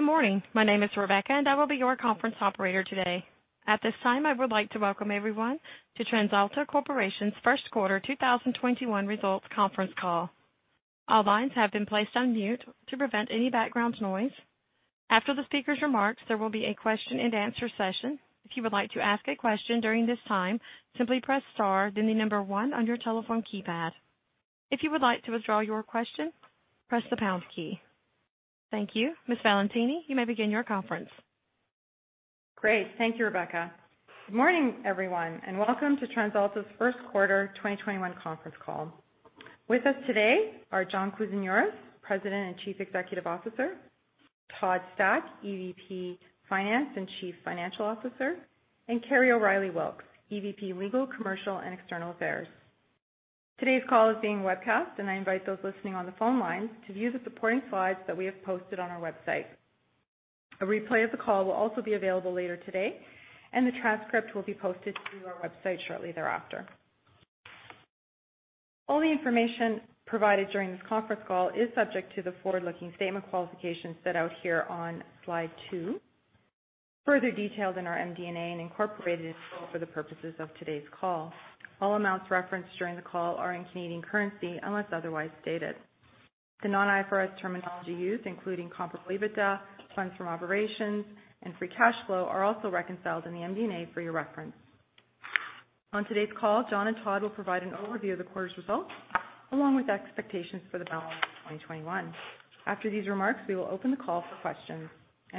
Good morning. My name is Rebecca, and I will be your conference operator today. At this time, I would like to welcome everyone to TransAlta Corporation's first quarter 2021 results conference call. All lines have been placed on mute to prevent any background noise. After the speaker's remarks, there will be a question-and-answer session. Thank you. Ms. Valentini, you may begin your conference. Great. Thank you, Rebecca. Good morning, everyone, welcome to TransAlta's first quarter 2021 conference call. With us today are John Kousinioris, President and Chief Executive Officer, Todd Stack, EVP, Finance and Chief Financial Officer, and Kerry O'Reilly Wilks, EVP, Legal, Commercial, and External Affairs. Today's call is being webcast, and I invite those listening on the phone lines to view the supporting slides that we have posted on our website. A replay of the call will also be available later today, and the transcript will be posted to our website shortly thereafter. All the information provided during this conference call is subject to the forward-looking statement qualifications set out here on slide two. Further details in our MD&A and incorporated in full for the purposes of today's call. All amounts referenced during the call are in Canadian currency, unless otherwise stated. The non-IFRS terminology used, including comparable EBITDA, funds from operations, and free cash flow, are also reconciled in the MD&A for your reference. On today's call, John and Todd will provide an overview of the quarter's results, along with expectations for the balance of 2021. After these remarks, we will open the call for questions.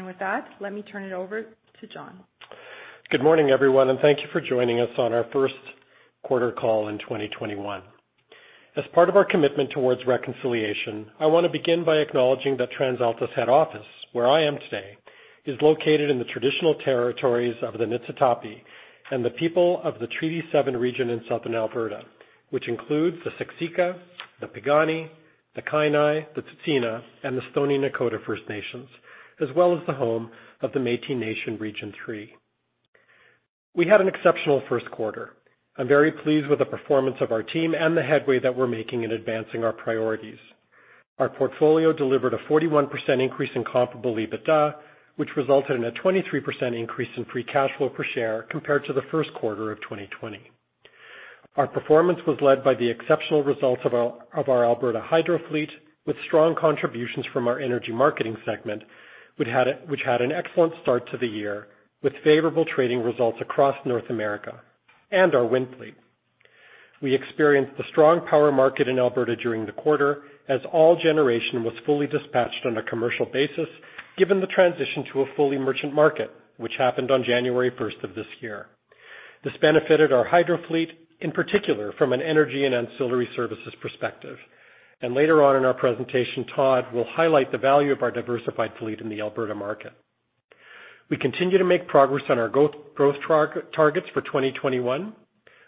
With that, let me turn it over to John. Good morning, everyone, thank you for joining us on our first quarter call in 2021. As part of our commitment towards reconciliation, I want to begin by acknowledging that TransAlta's head office, where I am today, is located in the traditional territories of the Niitsitapi and the people of the Treaty 7 region in southern Alberta, which includes the Siksika, the Piikani, the Kainai, the Tsuut'ina, and the Stoney Nakoda First Nations, as well as the home of the Métis Nation Region 3. We had an exceptional first quarter. I'm very pleased with the performance of our team and the headway that we're making in advancing our priorities. Our portfolio delivered a 41% increase in comparable EBITDA, which resulted in a 23% increase in free cash flow per share compared to the first quarter of 2020. Our performance was led by the exceptional results of our Alberta hydro fleet, with strong contributions from our energy marketing segment, which had an excellent start to the year with favorable trading results across North America, and our wind fleet. We experienced the strong power market in Alberta during the quarter, as all generation was fully dispatched on a commercial basis, given the transition to a fully merchant market, which happened on January 1st of this year. This benefited our hydro fleet, in particular, from an energy and ancillary services perspective. Later on in our presentation, Todd will highlight the value of our diversified fleet in the Alberta market. We continue to make progress on our growth targets for 2021.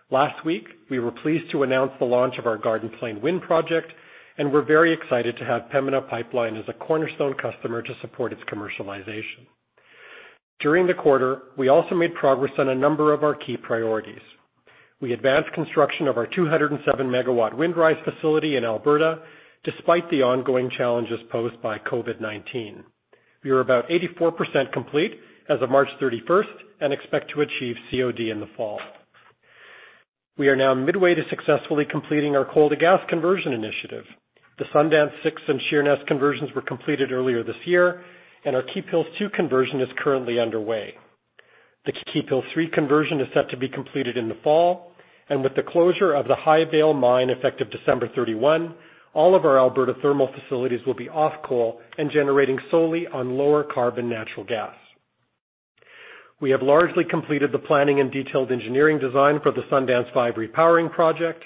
Last week, we were pleased to announce the launch of our Garden Plain Wind Project. We're very excited to have Pembina Pipeline as a cornerstone customer to support its commercialization. During the quarter, we also made progress on a number of our key priorities. We advanced construction of our 207 MW Windrise facility in Alberta, despite the ongoing challenges posed by COVID-19. We are about 84% complete as of March 31st. We expect to achieve COD in the fall. We are now midway to successfully completing our coal-to-gas conversion initiative. The Sundance 6 and Sheerness conversions were completed earlier this year. Our Keephills 2 conversion is currently underway. The Keephills 3 conversion is set to be completed in the fall, and with the closure of the Highvale mine effective December 31, all of our Alberta thermal facilities will be off coal and generating solely on lower carbon natural gas. We have largely completed the planning and detailed engineering design for the Sundance 5 repowering project.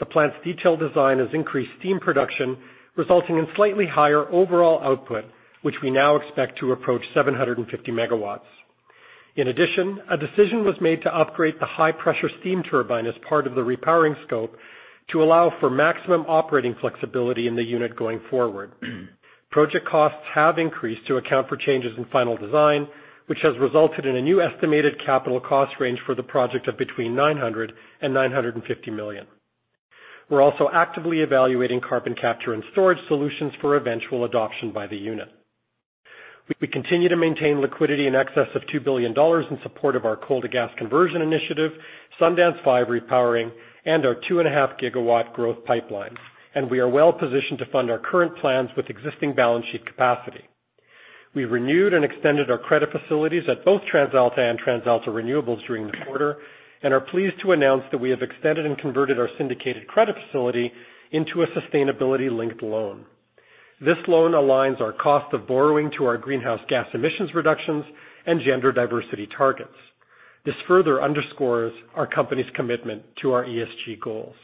The plant's detailed design has increased steam production, resulting in slightly higher overall output, which we now expect to approach 750 MW. In addition, a decision was made to upgrade the high-pressure steam turbine as part of the repowering scope to allow for maximum operating flexibility in the unit going forward. Project costs have increased to account for changes in final design, which has resulted in a new estimated capital cost range for the project of between 900 million and 950 million. We're also actively evaluating carbon capture and storage solutions for eventual adoption by the unit. We continue to maintain liquidity in excess of 2 billion dollars in support of our coal-to-gas conversion initiative, Sundance 5 repowering, and our 2.5 GW growth pipeline. We are well-positioned to fund our current plans with existing balance sheet capacity. We renewed and extended our credit facilities at both TransAlta and TransAlta Renewables during the quarter. We are pleased to announce that we have extended and converted our syndicated credit facility into a sustainability-linked loan. This loan aligns our cost of borrowing to our greenhouse gas emissions reductions and gender diversity targets. This further underscores our company's commitment to our ESG goals.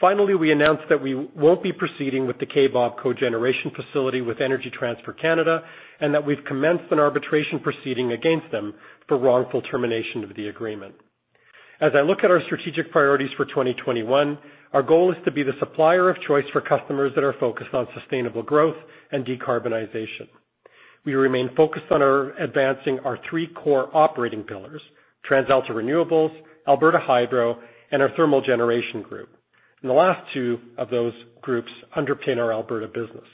Finally, we announced that we won't be proceeding with the Kaybob Cogeneration facility with Energy Transfer Canada, and that we've commenced an arbitration proceeding against them for wrongful termination of the agreement. As I look at our strategic priorities for 2021, our goal is to be the supplier of choice for customers that are focused on sustainable growth and decarbonization. We remain focused on advancing our three core operating pillars, TransAlta Renewables, Alberta Hydro, and our thermal generation group. The last two of those groups underpin our Alberta business.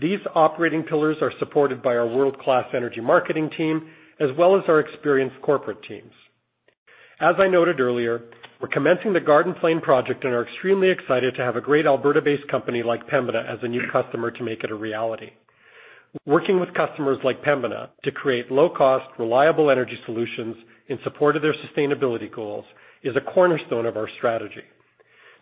These operating pillars are supported by our world-class energy marketing team, as well as our experienced corporate teams. As I noted earlier, we're commencing the Garden Plain project and are extremely excited to have a great Alberta-based company like Pembina as a new customer to make it a reality. Working with customers like Pembina to create low-cost, reliable energy solutions in support of their sustainability goals is a cornerstone of our strategy.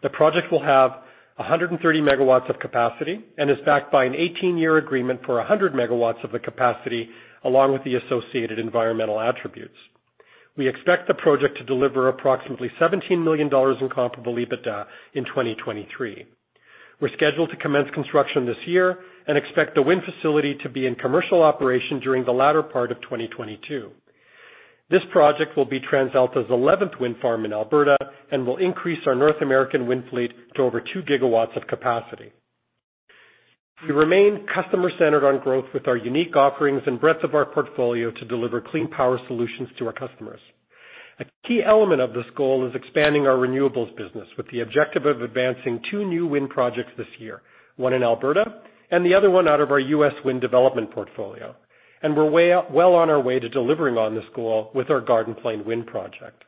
The project will have 130 MW of capacity and is backed by an 18-year agreement for 100 MW of the capacity, along with the associated environmental attributes. We expect the project to deliver approximately 17 million dollars in comparable EBITDA in 2023. We're scheduled to commence construction this year and expect the wind facility to be in commercial operation during the latter part of 2022. This project will be TransAlta's 11th wind farm in Alberta and will increase our North American wind fleet to over 2 GW of capacity. We remain customer-centered on growth with our unique offerings and breadth of our portfolio to deliver clean power solutions to our customers. A key element of this goal is expanding our renewables business with the objective of advancing two new wind projects this year, one in Alberta and the other one out of our U.S. wind development portfolio. We're well on our way to delivering on this goal with our Garden Plain wind project.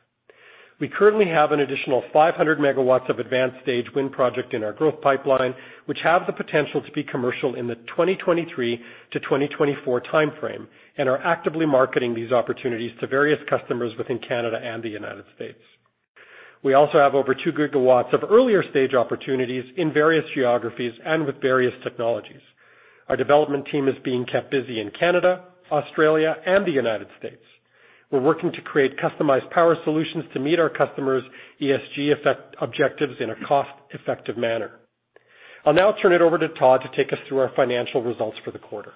We currently have an additional 500 MW of advanced-stage wind project in our growth pipeline, which have the potential to be commercial in the 2023 to 2024 timeframe and are actively marketing these opportunities to various customers within Canada and the U.S. We also have over 2 GW of earlier-stage opportunities in various geographies and with various technologies. Our development team is being kept busy in Canada, Australia, and the U.S. We're working to create customized power solutions to meet our customers' ESG objectives in a cost-effective manner. I'll now turn it over to Todd to take us through our financial results for the quarter.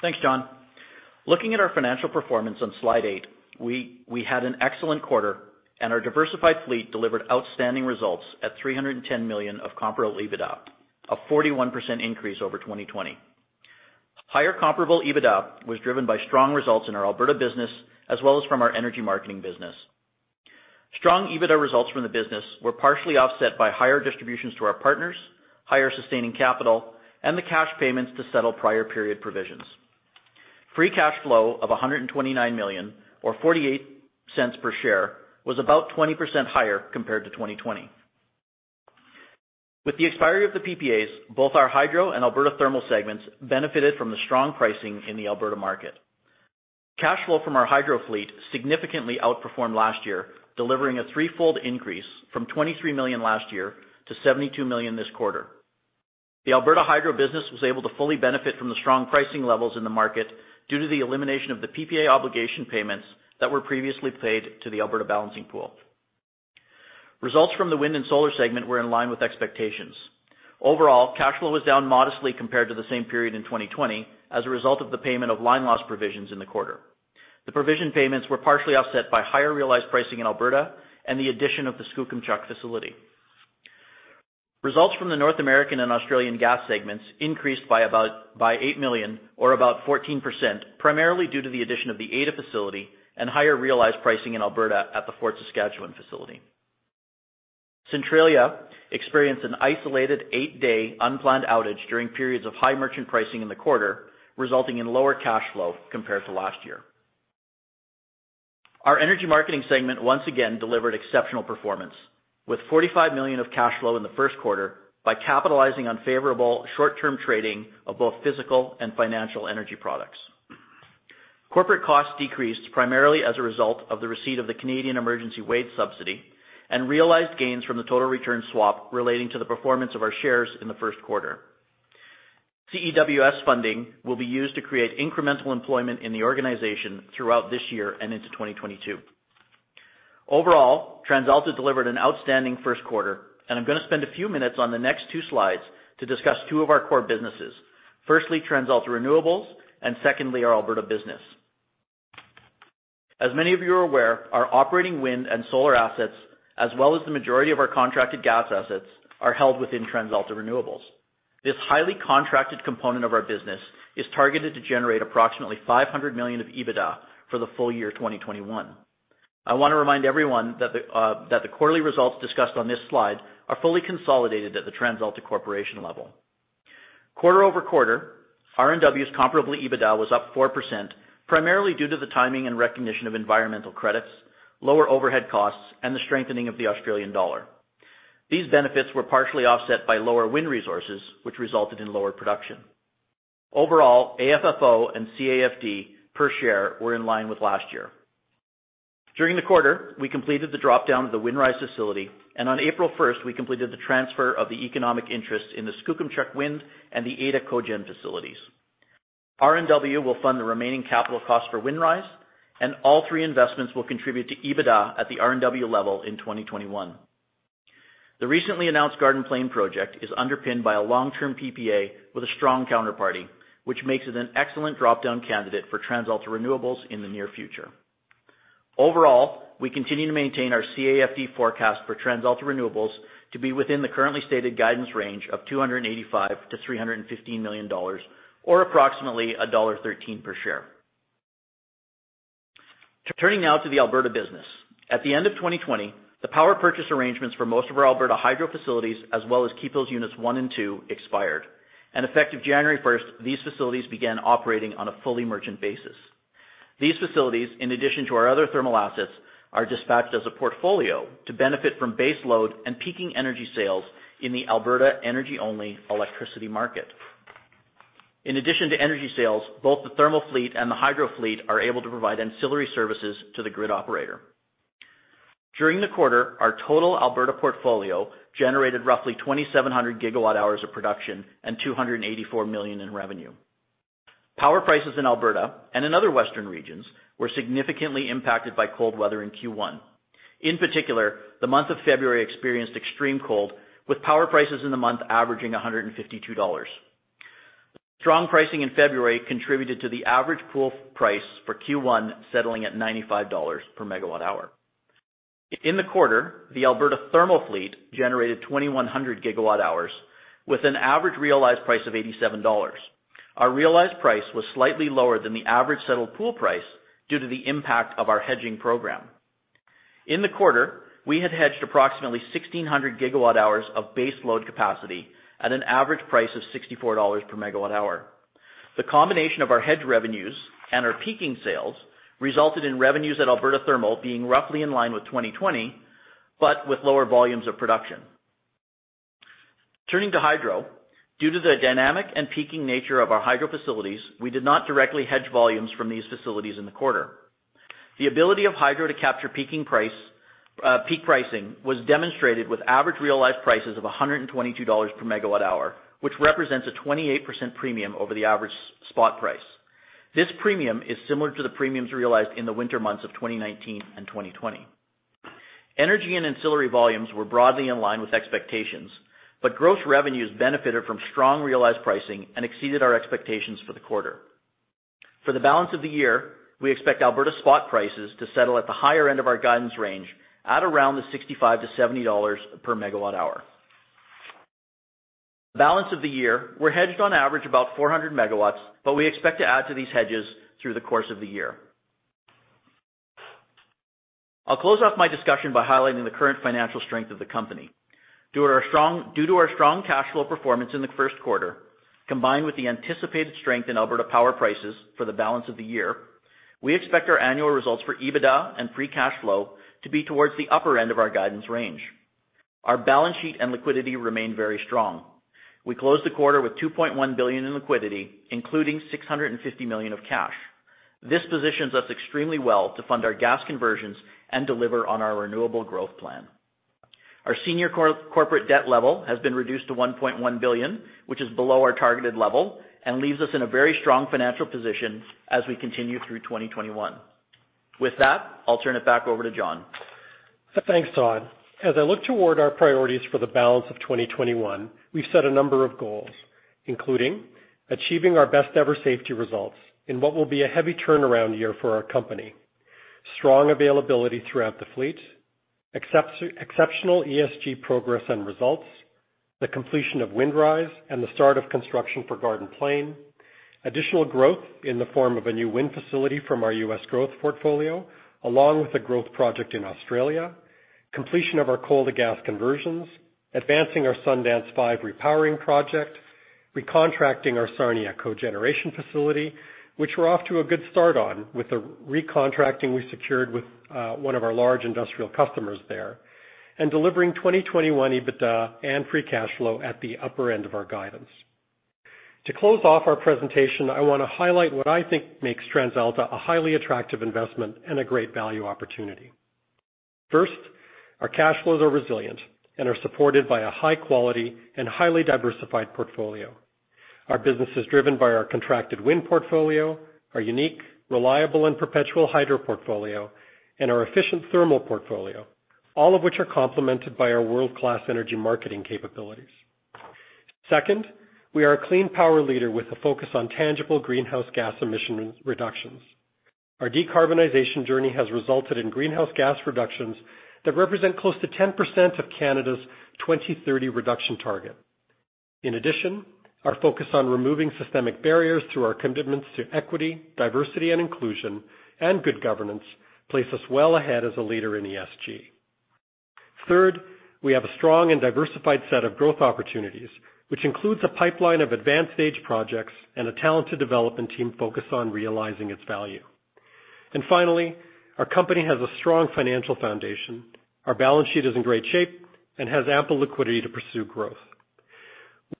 Thanks, John. Looking at our financial performance on slide eight, we had an excellent quarter, and our diversified fleet delivered outstanding results at 310 million of comparable EBITDA, a 41% increase over 2020. Higher comparable EBITDA was driven by strong results in our Alberta business as well as from our energy marketing business. Strong EBITDA results from the business were partially offset by higher distributions to our partners, higher sustaining capital, and the cash payments to settle prior period provisions. Free cash flow of 129 million, or 0.48 per share, was about 20% higher compared to 2020. With the expiry of the PPAs, both our Hydro and Alberta thermal segments benefited from the strong pricing in the Alberta market. Cash flow from our hydro fleet significantly outperformed last year, delivering a threefold increase from 23 million last year to 72 million this quarter. The Alberta Hydro business was able to fully benefit from the strong pricing levels in the market due to the elimination of the PPA obligation payments that were previously paid to the Alberta Balancing Pool. Results from the wind and solar segment were in line with expectations. Overall, cash flow was down modestly compared to the same period in 2020 as a result of the payment of line-loss provisions in the quarter. The provision payments were partially offset by higher realized pricing in Alberta and the addition of the Skookumchuck facility. Results from the North American and Australian gas segments increased by 8 million or about 14%, primarily due to the addition of the Ada facility and higher realized pricing in Alberta at the Fort Saskatchewan facility. Centralia experienced an isolated eight-day unplanned outage during periods of high merchant pricing in the quarter, resulting in lower cash flow compared to last year. Our energy marketing segment once again delivered exceptional performance, with 45 million of cash flow in the first quarter by capitalizing on favorable short-term trading of both physical and financial energy products. Corporate costs decreased primarily as a result of the receipt of the Canada Emergency Wage Subsidy and realized gains from the total return swap relating to the performance of our shares in the first quarter. CEWS funding will be used to create incremental employment in the organization throughout this year and into 2022. Overall, TransAlta delivered an outstanding first quarter, and I'm going to spend a few minutes on the next two slides to discuss two of our core businesses. Firstly, TransAlta Renewables, and secondly, our Alberta business. As many of you are aware, our operating wind and solar assets, as well as the majority of our contracted gas assets, are held within TransAlta Renewables. This highly contracted component of our business is targeted to generate approximately 500 million of comparable EBITDA for the full year 2021. I want to remind everyone that the quarterly results discussed on this slide are fully consolidated at the TransAlta Corporation level. Quarter-over-quarter, RNW's comparable EBITDA was up 4%, primarily due to the timing and recognition of environmental credits, lower overhead costs, and the strengthening of the Australian dollar. These benefits were partially offset by lower wind resources, which resulted in lower production. Overall, AFFO and CAFD per share were in line with last year. During the quarter, we completed the drop-down of the Windrise facility, and on April 1st, we completed the transfer of the economic interest in the Skookumchuck Wind and the Ada cogen facilities. RNW will fund the remaining capital cost for Windrise, and all three investments will contribute to EBITDA at the RNW level in 2021. The recently announced Garden Plain project is underpinned by a long-term PPA with a strong counterparty, which makes it an excellent drop-down candidate for TransAlta Renewables in the near future. Overall, we continue to maintain our CAFD forecast for TransAlta Renewables to be within the currently stated guidance range of 285 million-315 million dollars, or approximately dollar 1.13 per share. Turning now to the Alberta business. At the end of 2020, the Power Purchase Agreements for most of our Alberta Hydro facilities, as well as Keephills Unit 1 and 2, expired. Effective January 1st, these facilities began operating on a fully merchant basis. These facilities, in addition to our other thermal assets, are dispatched as a portfolio to benefit from baseload and peaking energy sales in the Alberta energy-only electricity market. In addition to energy sales, both the thermal fleet and the hydro fleet are able to provide ancillary services to the grid operator. During the quarter, our total Alberta portfolio generated roughly 2,700 GWh of production and 284 million in revenue. Power prices in Alberta and in other western regions were significantly impacted by cold weather in Q1. In particular, the month of February experienced extreme cold, with power prices in the month averaging 152 dollars. Strong pricing in February contributed to the average pool price for Q1 settling at 95 dollars per megawatt hour. In the quarter, the Alberta thermal fleet generated 2,100 GWh with an average realized price of 87 dollars. Our realized price was slightly lower than the average settled pool price due to the impact of our hedging program. In the quarter, we had hedged approximately 1,600 GWh of baseload capacity at an average price of 64 dollars per megawatt hour. The combination of our hedge revenues and our peaking sales resulted in revenues at Alberta thermal being roughly in line with 2020, with lower volumes of production. Turning to hydro. Due to the dynamic and peaking nature of our hydro facilities, we did not directly hedge volumes from these facilities in the quarter. The ability of hydro to capture peak pricing was demonstrated with average realized prices of 122 dollars per megawatt hour, which represents a 28% premium over the average spot price. This premium is similar to the premiums realized in the winter months of 2019 and 2020. Energy and ancillary volumes were broadly in line with expectations, but gross revenues benefited from strong realized pricing and exceeded our expectations for the quarter. For the balance of the year, we expect Alberta spot prices to settle at the higher end of our guidance range at around the 65-70 dollars per megawatt hour. Balance of the year, we are hedged on average about 400 MW, but we expect to add to these hedges through the course of the year. I will close off my discussion by highlighting the current financial strength of the company. Due to our strong cash flow performance in the first quarter, combined with the anticipated strength in Alberta power prices for the balance of the year, we expect our annual results for EBITDA and free cash flow to be towards the upper end of our guidance range. Our balance sheet and liquidity remain very strong. We closed the quarter with 2.1 billion in liquidity, including 650 million of cash. This positions us extremely well to fund our gas conversions and deliver on our renewable growth plan. Our senior corporate debt level has been reduced to 1.1 billion, which is below our targeted level and leaves us in a very strong financial position as we continue through 2021. With that, I'll turn it back over to John. Thanks, Todd. As I look toward our priorities for the balance of 2021, we've set a number of goals, including achieving our best ever safety results in what will be a heavy turnaround year for our company, strong availability throughout the fleet, exceptional ESG progress and results, the completion of Windrise, and the start of construction for Garden Plain, additional growth in the form of a new wind facility from our U.S. growth portfolio, along with a growth project in Australia, completion of our coal-to-gas conversions, advancing our Sundance 5 repowering project, recontracting our Sarnia cogeneration facility, which we're off to a good start on with the recontracting we secured with one of our large industrial customers there, and delivering 2021 EBITDA and free cash flow at the upper end of our guidance. To close off our presentation, I want to highlight what I think makes TransAlta a highly attractive investment and a great value opportunity. First, our cash flows are resilient and are supported by a high quality and highly diversified portfolio. Our business is driven by our contracted wind portfolio, our unique, reliable, and perpetual hydro portfolio, and our efficient thermal portfolio, all of which are complemented by our world-class energy marketing capabilities. Second, we are a clean power leader with a focus on tangible greenhouse gas emission reductions. Our decarbonization journey has resulted in greenhouse gas reductions that represent close to 10% of Canada's 2030 reduction target. In addition, our focus on removing systemic barriers through our commitments to equity, diversity, and inclusion, and good governance place us well ahead as a leader in ESG. Third, we have a strong and diversified set of growth opportunities, which includes a pipeline of advanced stage projects and a talented development team focused on realizing its value. Finally, our company has a strong financial foundation. Our balance sheet is in great shape and has ample liquidity to pursue growth.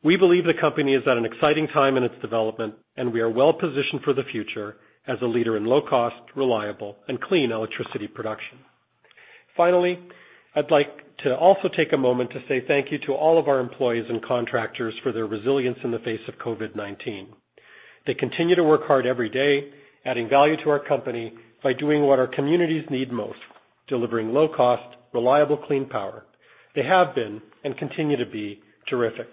We believe the company is at an exciting time in its development, and we are well-positioned for the future as a leader in low-cost, reliable, and clean electricity production. Finally, I'd like to also take a moment to say thank you to all of our employees and contractors for their resilience in the face of COVID-19. They continue to work hard every day, adding value to our company by doing what our communities need most, delivering low-cost, reliable clean power. They have been, and continue to be, terrific.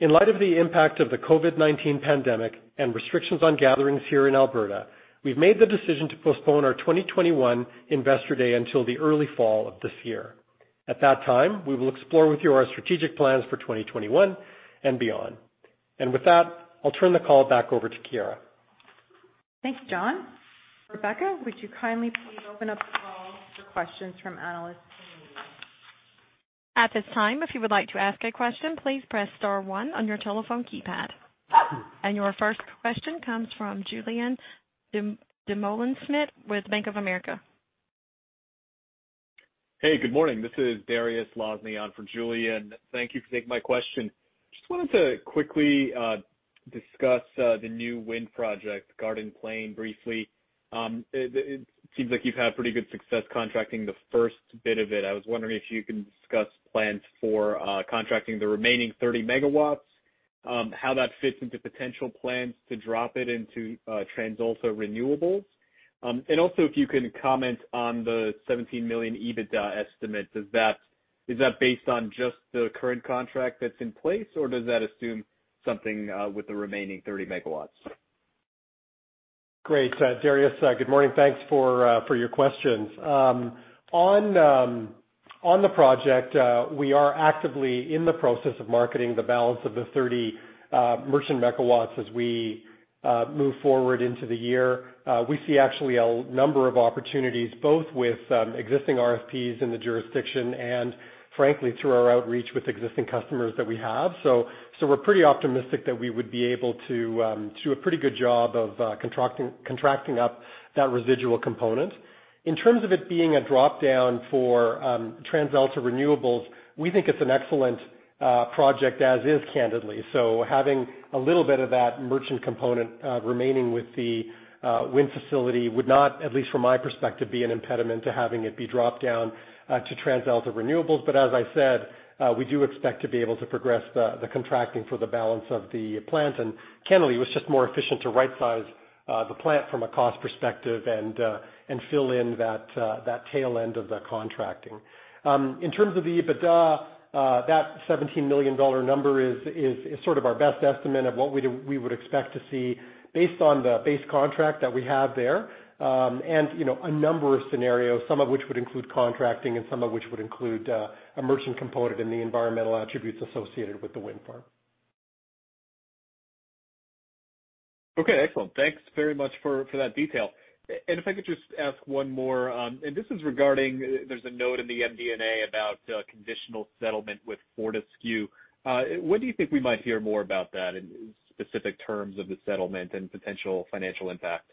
In light of the impact of the COVID-19 pandemic and restrictions on gatherings here in Alberta, we've made the decision to postpone our 2021 Investor Day until the early fall of this year. At that time, we will explore with you our strategic plans for 2021 and beyond. With that, I'll turn the call back over to Chiara. Thanks, John. Rebecca, would you kindly please open up the call for questions from analysts and media? At this time, if you would like to ask a question, please press star one on your telephone keypad. Your first question comes from Julien Dumoulin-Smith with Bank of America. Hey, good morning. This is Dariusz Lozny on for Julien. Thank you for taking my question. Just wanted to quickly discuss the new wind project, Garden Plain, briefly. It seems like you've had pretty good success contracting the first bit of it. I was wondering if you can discuss plans for contracting the remaining 30 MW, how that fits into potential plans to drop it into TransAlta Renewables. Also, if you can comment on the 17 million EBITDA estimate. Is that based on just the current contract that's in place, or does that assume something with the remaining 30 MW? Great, Dariusz. Good morning. Thanks for your questions. On the project, we are actively in the process of marketing the balance of the 30 merchant megawatts as we move forward into the year. We see actually a number of opportunities, both with existing RFPs in the jurisdiction and frankly, through our outreach with existing customers that we have. We're pretty optimistic that we would be able to do a pretty good job of contracting up that residual component. In terms of it being a drop-down for TransAlta Renewables, we think it's an excellent project as is, candidly. Having a little bit of that merchant component remaining with the wind facility would not, at least from my perspective, be an impediment to having it be dropped down to TransAlta Renewables. As I said, we do expect to be able to progress the contracting for the balance of the plant. Candidly, it was just more efficient to right-size the plant from a cost perspective and fill in that tail end of the contracting. In terms of the EBITDA, that 17 million dollar number is sort of our best estimate of what we would expect to see based on the base contract that we have there. A number of scenarios, some of which would include contracting and some of which would include a merchant component in the environmental attributes associated with the wind farm. Okay, excellent. Thanks very much for that detail. If I could just ask one more, and this is regarding, there's a note in the MD&A about a conditional settlement with Fortescue. When do you think we might hear more about that in specific terms of the settlement and potential financial impact?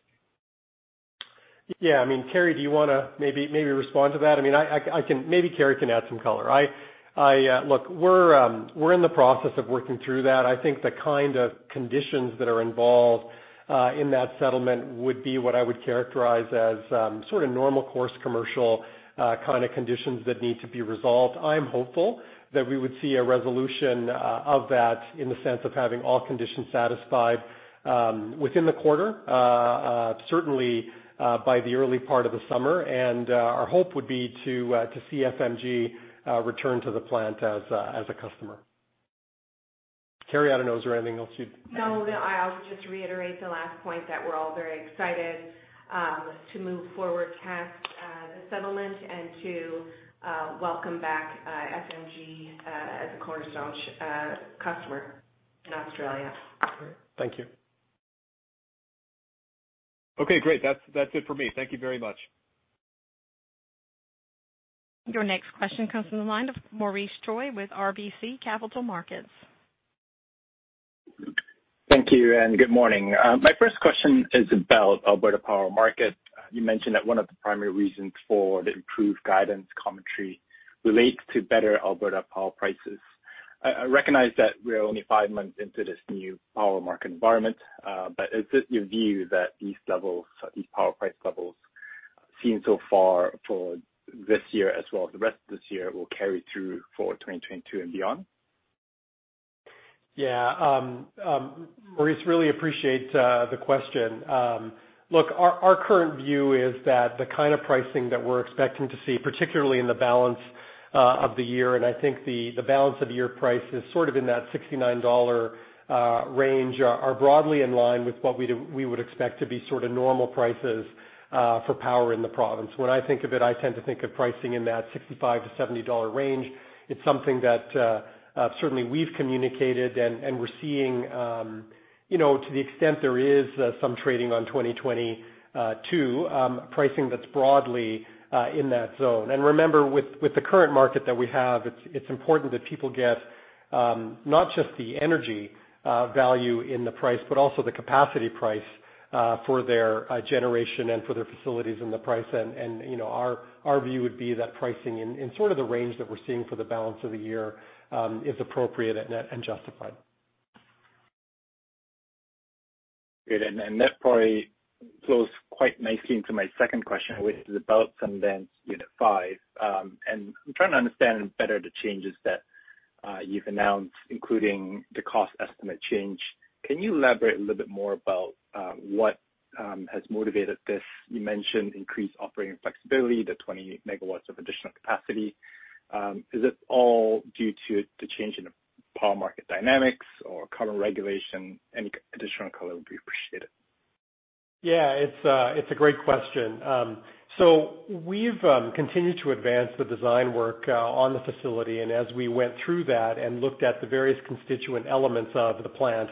Yeah. I mean, Kerry, do you want to maybe respond to that? Maybe Kerry can add some color. Look, we're in the process of working through that. I think the kind of conditions that are involved in that settlement would be what I would characterize as sort of normal course commercial kind of conditions that need to be resolved. I'm hopeful that we would see a resolution of that in the sense of having all conditions satisfied within the quarter. Certainly, by the early part of the summer. Our hope would be to see FMG return to the plant as a customer. Kerry, I don't know, is there anything else you'd add? I'll just reiterate the last point, that we're all very excited to move forward past the settlement and to welcome back FMG as a cornerstone customer in Australia. Thank you. Okay, great. That's it for me. Thank you very much. Your next question comes from the line of Maurice Choy with RBC Capital Markets. Thank you. Good morning. My first question is about Alberta power market. You mentioned that one of the primary reasons for the improved guidance commentary relates to better Alberta power prices. I recognize that we're only five months into this new power market environment. Is it your view that these power price levels seen so far for this year as well as the rest of this year, will carry through for 2022 and beyond? Yeah. Maurice, really appreciate the question. Our current view is that the kind of pricing that we're expecting to see, particularly in the balance of the year, and I think the balance of year price is sort of in that 69 dollar range, are broadly in line with what we would expect to be sort of normal prices for power in the province. When I think of it, I tend to think of pricing in that 65-70 dollar range. It's something that certainly we've communicated, and we're seeing to the extent there is some trading on 2022, pricing that's broadly in that zone. Remember, with the current market that we have, it's important that people get not just the energy value in the price, but also the capacity price for their generation and for their facilities and the price. Our view would be that pricing in sort of the range that we're seeing for the balance of the year, is appropriate and justified. Great, and that probably flows quite nicely into my second question, which is about Sundance Unit 5. I'm trying to understand better the changes that you've announced, including the cost estimate change. Can you elaborate a little bit more about what has motivated this? You mentioned increased operating flexibility, the 20 MW of additional capacity. Is it all due to the change in the power market dynamics or current regulation? Any additional color would be appreciated. Yeah, it's a great question. We've continued to advance the design work on the facility, and as we went through that and looked at the various constituent elements of the plant,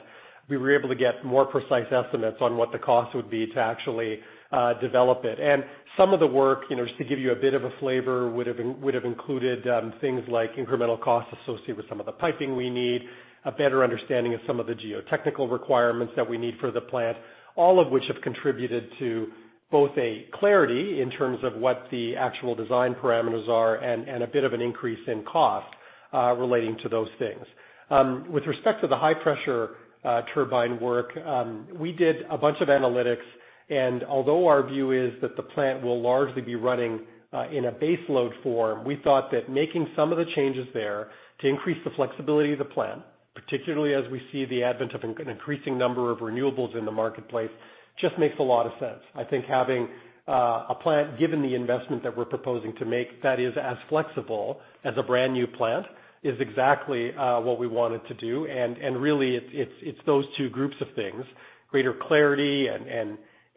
we were able to get more precise estimates on what the cost would be to actually develop it. Some of the work, just to give you a bit of a flavor, would have included things like incremental costs associated with some of the piping we need, a better understanding of some of the geotechnical requirements that we need for the plant. All of which have contributed to both a clarity in terms of what the actual design parameters are and a bit of an increase in cost relating to those things. With respect to the high-pressure turbine work, we did a bunch of analytics, and although our view is that the plant will largely be running in a baseload form, we thought that making some of the changes there to increase the flexibility of the plant, particularly as we see the advent of an increasing number of renewables in the marketplace, just makes a lot of sense. I think having a plant, given the investment that we're proposing to make, that is as flexible as a brand new plant, is exactly what we wanted to do. Really, it's those two groups of things, greater clarity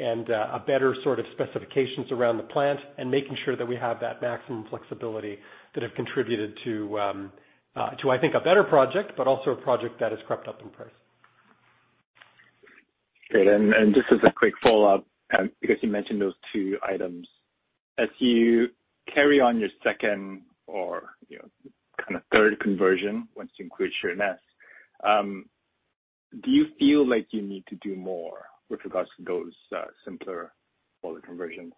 and a better sort of specifications around the plant and making sure that we have that maximum flexibility that have contributed to, I think, a better project, but also a project that has crept up in price. Great. Just as a quick follow-up, because you mentioned those two items, as you carry on your second or, kind of third conversion once you include Sheerness, do you feel like you need to do more with regards to those simpler boiler conversions?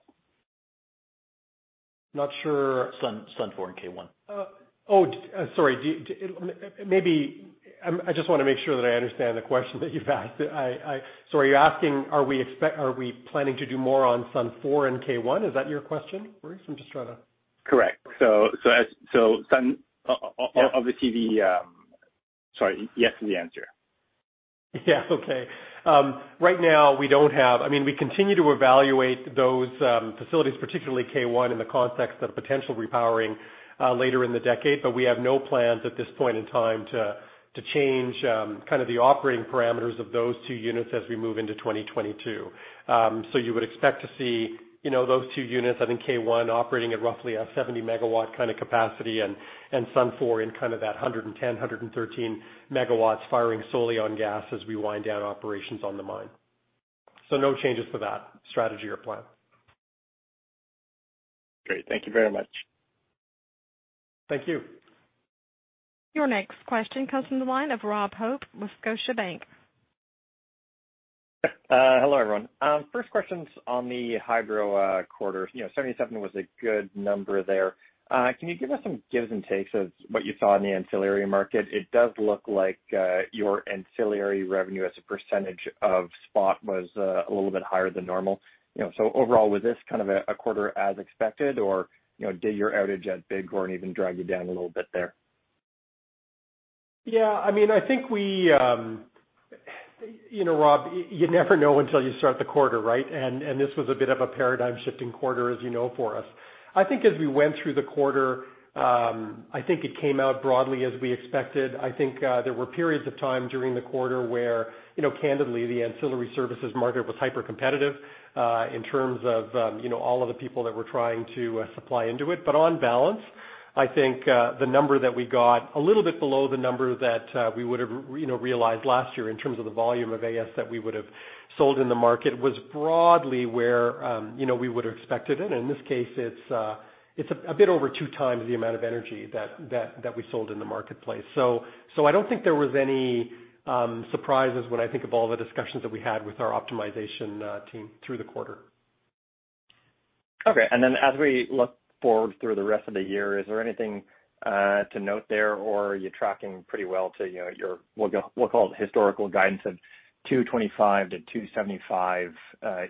Not sure. Sundance 4 and Keephills 1. Oh, sorry. I just want to make sure that I understand the question that you've asked. Are you asking, are we planning to do more on Sundance 4 and Keephills 1? Is that your question, Maurice? Correct. Obviously, sorry, yes is the answer. Yes. Okay. Right now, we continue to evaluate those facilities, particularly Keephills 1, in the context of potential repowering later in the decade. We have no plans at this point in time to change the operating parameters of those two units as we move into 2022. You would expect to see those two units, I think Keephills 1 operating at roughly a 70 MW kind of capacity and Sundance 4 in kind of that 110 MW, 113 MW firing solely on gas as we wind down operations on the mine. No changes to that strategy or plan. Great. Thank you very much. Thank you. Your next question comes from the line of Rob Hope, Scotiabank. Hello, everyone. First question's on the Hydro quarter. 77 million was a good number there. Can you give us some gives and takes of what you saw in the ancillary market? It does look like your ancillary revenue as a percentage of spot was a little bit higher than normal. Overall, was this kind of a quarter as expected or did your outage at Bighorn even drag you down a little bit there? Yeah. Rob, you never know until you start the quarter, right? This was a bit of a paradigm-shifting quarter, as you know, for us. I think as we went through the quarter, I think it came out broadly as we expected. I think there were periods of time during the quarter where, candidly, the ancillary services market was hypercompetitive, in terms of all of the people that were trying to supply into it. On balance, I think, the number that we got, a little bit below the number that we would've realized last year in terms of the volume of AS that we would have sold in the market, was broadly where we would have expected it. In this case, it's a bit over 2x the amount of energy that we sold in the marketplace. I don't think there was any surprises when I think of all the discussions that we had with our optimization team through the quarter. Okay. As we look forward through the rest of the year, is there anything to note there, or are you tracking pretty well to your, we'll call it historical guidance of 225-275,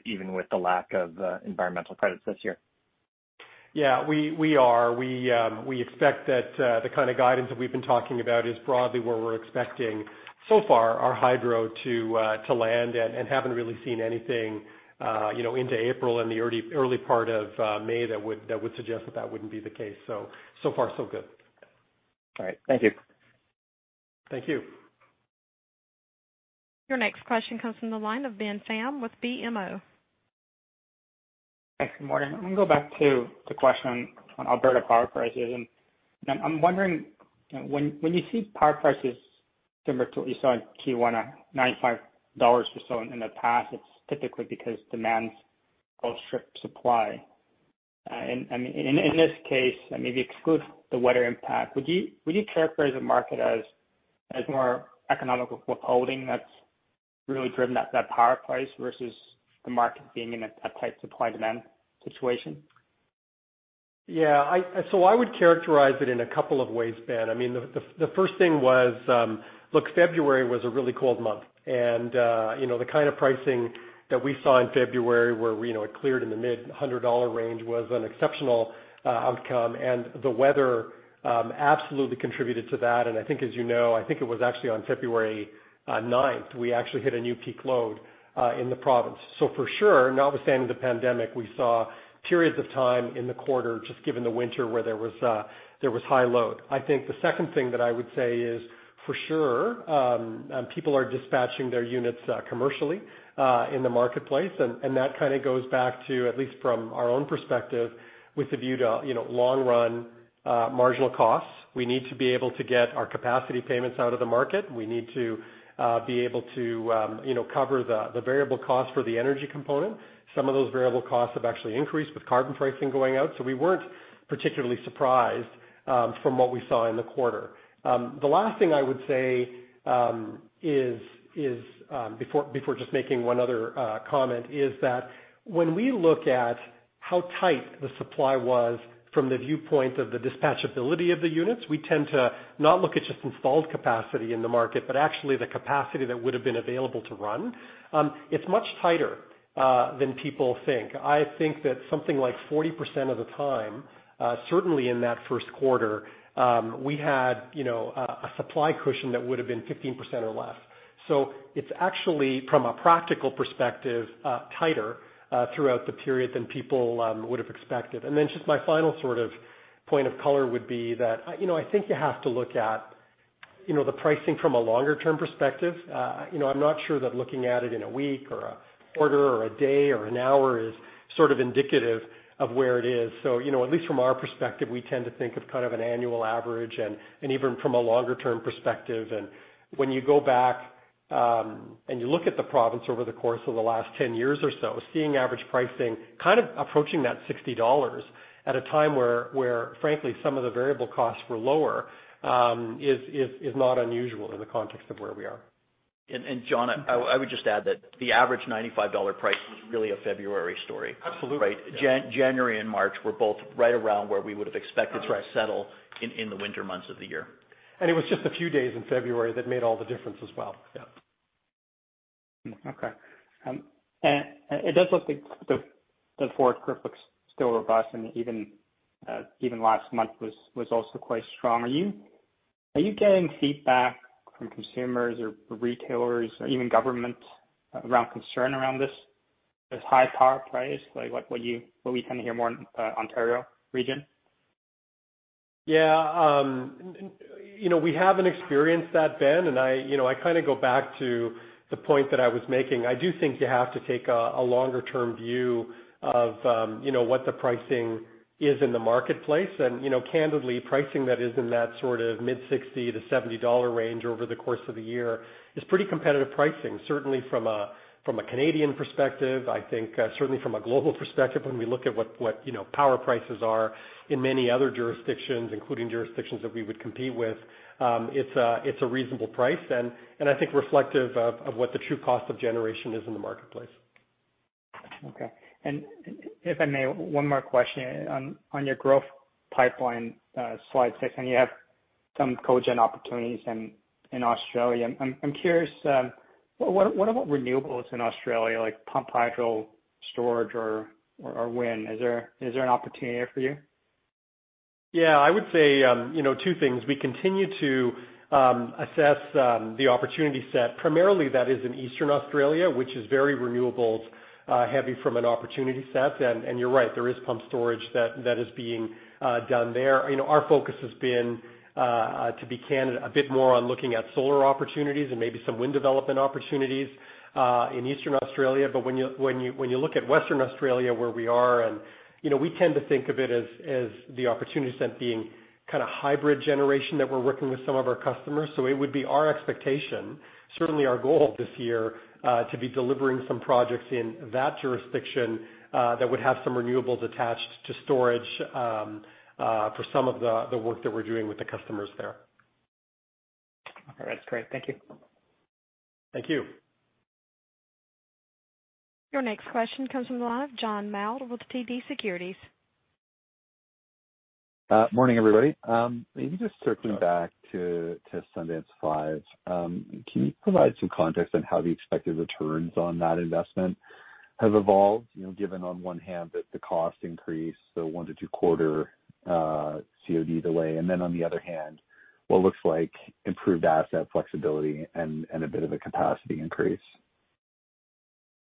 even with the lack of environmental credits this year? Yeah. We are. We expect that the kind of guidance that we've been talking about is broadly where we're expecting so far our hydro to land and haven't really seen anything into April and the early part of May that would suggest that that wouldn't be the case. So far so good. All right. Thank you. Thank you. Your next question comes from the line of Ben Pham with BMO. Thanks. Good morning. I'm going to go back to the question on Alberta power prices. I'm wondering, when you see power prices similar to what you saw in Q1 at 95 dollars or so in the past, it's typically because demand outstrips supply. In this case, maybe exclude the weather impact, would you characterize the market as more economic withholding that's really driven that power price versus the market being in a tight supply/demand situation? I would characterize it in a couple of ways, Ben. The first thing was, look, February was a really cold month, and the kind of pricing that we saw in February where we cleared in the mid-CAD 100 range was an exceptional outcome, and the weather absolutely contributed to that. I think, as you know, I think it was actually on February 9th, we actually hit a new peak load in the province. For sure, notwithstanding the pandemic, we saw periods of time in the quarter just given the winter where there was high load. I think the second thing that I would say is, for sure, people are dispatching their units commercially in the marketplace, and that kind of goes back to, at least from our own perspective with a view to long-run marginal costs. We need to be able to get our capacity payments out of the market. We need to be able to cover the variable cost for the energy component. Some of those variable costs have actually increased with carbon pricing going out. We weren't particularly surprised from what we saw in the quarter. The last thing I would say is, before just making one other comment, is that when we look at how tight the supply was from the viewpoint of the dispatchability of the units, we tend to not look at just installed capacity in the market, but actually the capacity that would have been available to run. It's much tighter than people think. I think that something like 40% of the time, certainly in that first quarter, we had a supply cushion that would have been 15% or less. It's actually, from a practical perspective, tighter throughout the period than people would have expected. Just my final point of color would be that I think you have to look at the pricing from a longer-term perspective. I'm not sure that looking at it in a week or a quarter or a day or an hour is sort of indicative of where it is. At least from our perspective, we tend to think of an annual average and even from a longer-term perspective. When you go back and you look at the province over the course of the last 10 years or so, seeing average pricing kind of approaching that 60 dollars at a time where frankly, some of the variable costs were lower, is not unusual in the context of where we are. John, I would just add that the average 95 dollar price was really a February story. Absolutely. January and March were both right around where we would have expected to settle in the winter months of the year. It was just a few days in February that made all the difference as well. Yeah. Okay. It does look like the fourth quarter looks still robust, and even last month was also quite strong. Are you getting feedback from consumers or retailers or even government around concern around this high power price? What you tend to hear more in Ontario region? Yeah. We haven't experienced that, Ben. I go back to the point that I was making. I do think you have to take a longer-term view of what the pricing is in the marketplace. Candidly, pricing that is in that sort of mid-CAD 60-CAD 70 range over the course of the year is pretty competitive pricing, certainly from a Canadian perspective. I think certainly from a global perspective, when we look at what power prices are in many other jurisdictions, including jurisdictions that we would compete with, it's a reasonable price and I think reflective of what the true cost of generation is in the marketplace. Okay. If I may, one more question. On your growth pipeline slide, I think you have some cogen opportunities in Australia. I'm curious, what about renewables in Australia, like pump hydro storage or wind? Is there an opportunity there for you? Yeah, I would say two things. We continue to assess the opportunity set primarily that is in Eastern Australia, which is very renewables heavy from an opportunity set. You're right, there is pump storage that is being done there. Our focus has been, to be candid, a bit more on looking at solar opportunities and maybe some wind development opportunities, in Eastern Australia. When you look at Western Australia, where we are, and we tend to think of it as the opportunity set being kind of hybrid generation that we're working with some of our customers. It would be our expectation, certainly our goal this year, to be delivering some projects in that jurisdiction that would have some renewables attached to storage, for some of the work that we're doing with the customers there. All right, great. Thank you. Thank you. Your next question comes from the line of John Mould with TD Securities. Morning, everybody. Maybe just circling back to Sundance 5. Can you provide some context on how the expected returns on that investment have evolved, given on one hand that the cost increase, so one to two-quarter COD delay, and then on the other hand, what looks like improved asset flexibility and a bit of a capacity increase?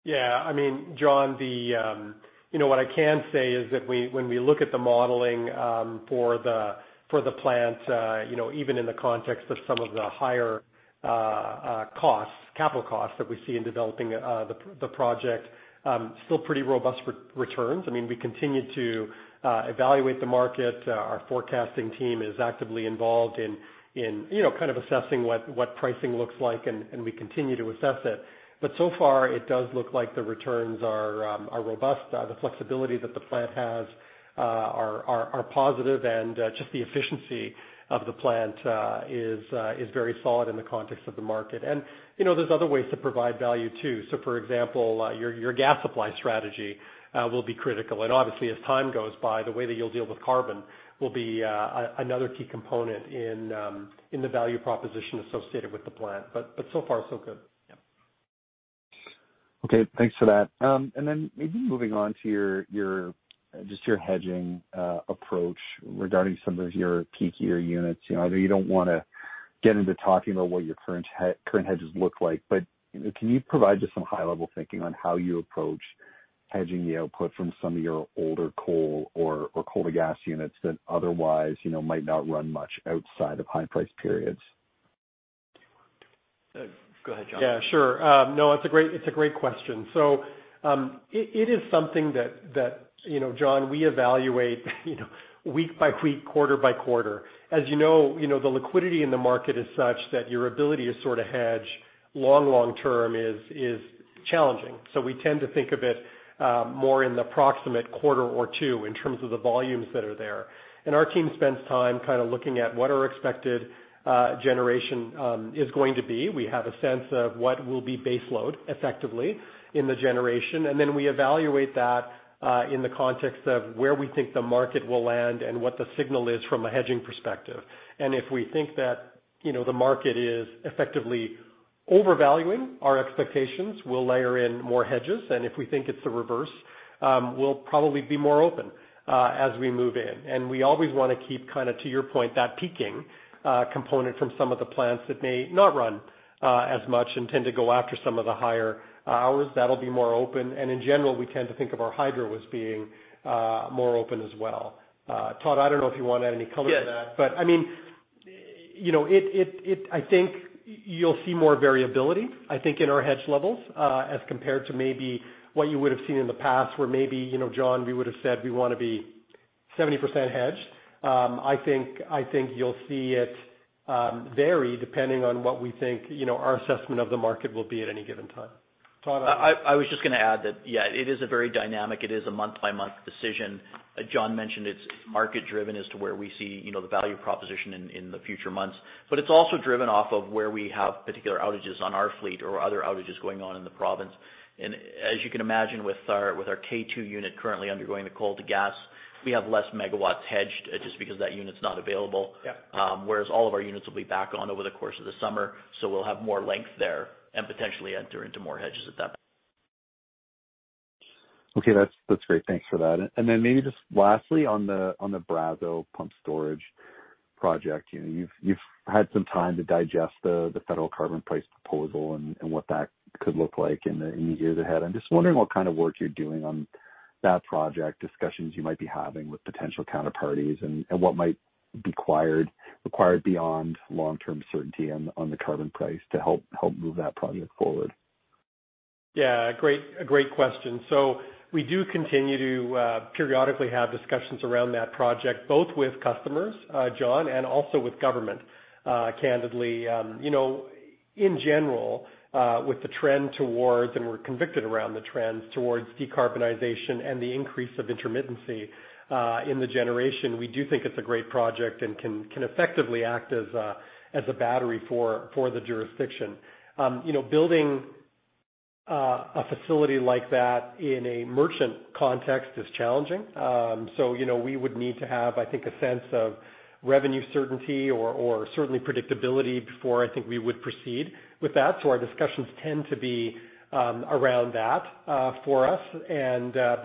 Yeah. John Kousinioris, what I can say is that when we look at the modeling for the plant, even in the context of some of the higher capital costs that we see in developing the project, still pretty robust returns. We continue to evaluate the market. Our forecasting team is actively involved in assessing what pricing looks like. We continue to assess it. So far, it does look like the returns are robust. The flexibility that the plant has are positive, just the efficiency of the plant is very solid in the context of the market. There's other ways to provide value, too. For example, your gas supply strategy will be critical. Obviously, as time goes by, the way that you'll deal with carbon will be another key component in the value proposition associated with the plant. So far, so good. Okay, thanks for that. Then maybe moving on to just your hedging approach regarding some of your peakier units. I know you don't want to get into talking about what your current hedges look like, but can you provide just some high-level thinking on how you approach hedging the output from some of your older coal or coal-to-gas units that otherwise might not run much outside of high-price periods? Do you want to? Go ahead, John. Yeah, sure. It's a great question. It is something that, John, we evaluate week by week, quarter by quarter. As you know, the liquidity in the market is such that your ability to sort of hedge long-term is challenging. We tend to think of it more in the proximate quarter or two in terms of the volumes that are there. Our team spends time kind of looking at what our expected generation is going to be. We have a sense of what will be baseload effectively in the generation, then we evaluate that in the context of where we think the market will land and what the signal is from a hedging perspective. If we think that the market is effectively overvaluing our expectations, we'll layer in more hedges, and if we think it's the reverse, we'll probably be more open as we move in. We always want to keep kind of, to your point, that peaking component from some of the plants that may not run as much and tend to go after some of the higher hours, that'll be more open. In general, we tend to think of our hydro as being more open as well. Todd, I don't know if you want to add any color to that. Yes. I think you'll see more variability, I think, in our hedge levels, as compared to maybe what you would have seen in the past, where maybe, John, we would've said we want to be 70% hedged. I think you'll see it vary depending on what we think our assessment of the market will be at any given time. Todd? I was just going to add that, yeah, it is a very dynamic, it is a month-by-month decision. As John mentioned, it's market-driven as to where we see the value proposition in the future months. It's also driven off of where we have particular outages on our fleet or other outages going on in the province. As you can imagine, with our Keephills 2 unit currently undergoing the coal-to-gas, we have less megawatts hedged, just because that unit's not available. Yeah. All of our units will be back on over the course of the summer, so we'll have more length there and potentially enter into more hedges at that point. Okay, that's great. Thanks for that. Then maybe just lastly on the Brazeau Pumped Storage project. You've had some time to digest the federal carbon price proposal and what that could look like in the years ahead. I'm just wondering what kind of work you're doing on that project, discussions you might be having with potential counterparties, and what might be required beyond long-term certainty on the carbon price to help move that project forward? Yeah, a great question. We do continue to periodically have discussions around that project, both with customers, John, and also with government. Candidly, in general, with the trend towards, and we're convicted around the trends towards decarbonization and the increase of intermittency in the generation, we do think it's a great project and can effectively act as a battery for the jurisdiction. Building a facility like that in a merchant context is challenging. We would need to have, I think, a sense of revenue certainty or certainly predictability before I think we would proceed with that. Our discussions tend to be around that for us.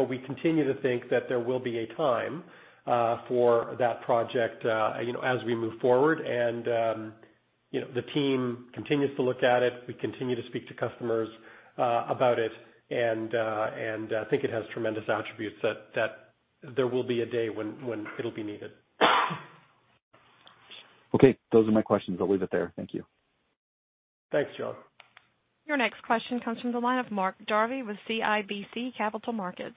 We continue to think that there will be a time for that project as we move forward. The team continues to look at it. We continue to speak to customers about it, and I think it has tremendous attributes that there will be a day when it'll be needed. Okay. Those are my questions. I'll leave it there. Thank you. Thanks, John. Your next question comes from the line of Mark Jarvi with CIBC Capital Markets.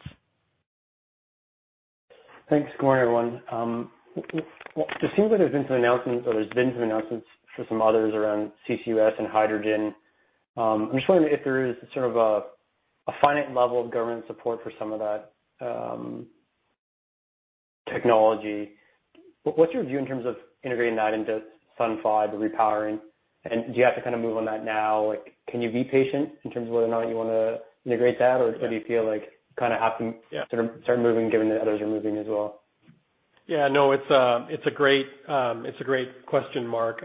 Thanks. Good morning, everyone. It seems like there's been some announcements, or there's been some announcements from some others around CCUS and hydrogen. I am just wondering if there is sort of a finite level of government support for some of that technology. What's your view in terms of integrating that into Sundance 5, the repowering, and do you have to kind of move on that now? Can you be patient in terms of whether or not you want to integrate that, or do you feel like kind of- Yeah... how things start moving given that others are moving as well? Yeah, no, it's a great question, Mark.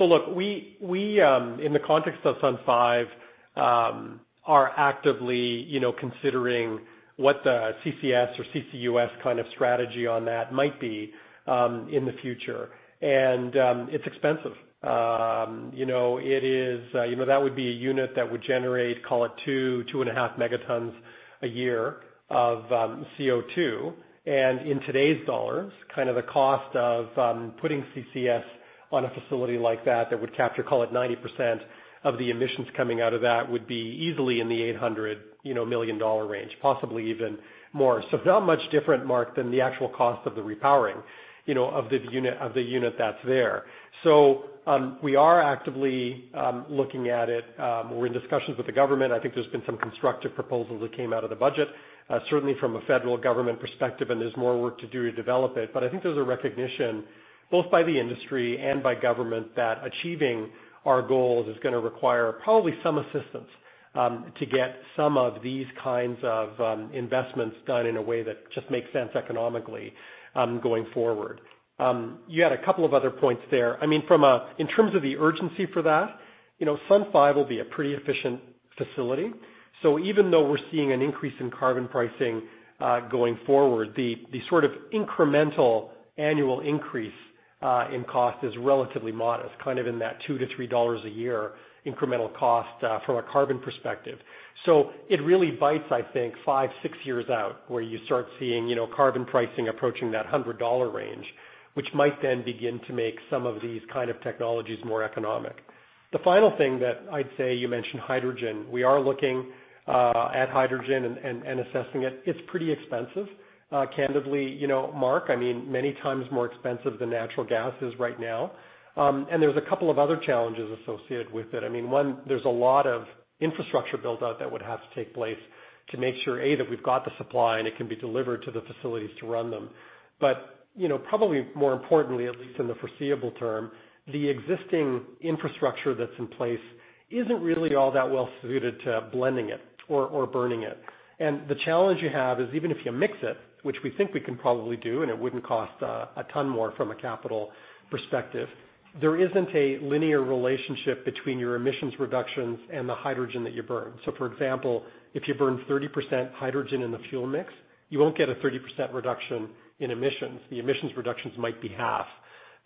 Look, we, in the context of Sundance 5, are actively considering what the CCS or CCUS kind of strategy on that might be in the future. It's expensive. That would be a unit that would generate, call it 2, 2.5 megatons a year of CO2. In today's CAD, kind of the cost of putting CCS on a facility like that would capture, call it 90% of the emissions coming out of that, would be easily in the 800 million dollar range, possibly even more. It's not much different, Mark, than the actual cost of the repowering of the unit that's there. We are actively looking at it. We're in discussions with the government. I think there's been some constructive proposals that came out of the budget, certainly from a federal government perspective, and there's more work to do to develop it. But I think there's a recognition, both by the industry and by government, that achieving our goals is going to require probably some assistance to get some of these kinds of investments done in a way that just makes sense economically going forward. You had a couple of other points there. In terms of the urgency for that, Sundance 5 will be a pretty efficient facility. Even though we're seeing an increase in carbon pricing going forward, the sort of incremental annual increase in cost is relatively modest, kind of in that 2-3 dollars a year incremental cost, from a carbon perspective. It really bites, I think, five, six years out, where you start seeing carbon pricing approaching that 100 dollar range, which might then begin to make some of these kind of technologies more economic. The final thing that I'd say, you mentioned hydrogen. We are looking at hydrogen and assessing it. It's pretty expensive. Candidly, Mark, I mean, many times more expensive than natural gas is right now. There's a couple of other challenges associated with it. One, there's a lot of infrastructure built out that would have to take place to make sure, A, that we've got the supply and it can be delivered to the facilities to run them. Probably more importantly, at least in the foreseeable term, the existing infrastructure that's in place isn't really all that well-suited to blending it or burning it. The challenge you have is even if you mix it, which we think we can probably do, and it wouldn't cost a ton more from a capital perspective, there isn't a linear relationship between your emissions reductions and the hydrogen that you burn. For example, if you burn 30% hydrogen in the fuel mix, you won't get a 30% reduction in emissions. The emissions reductions might be half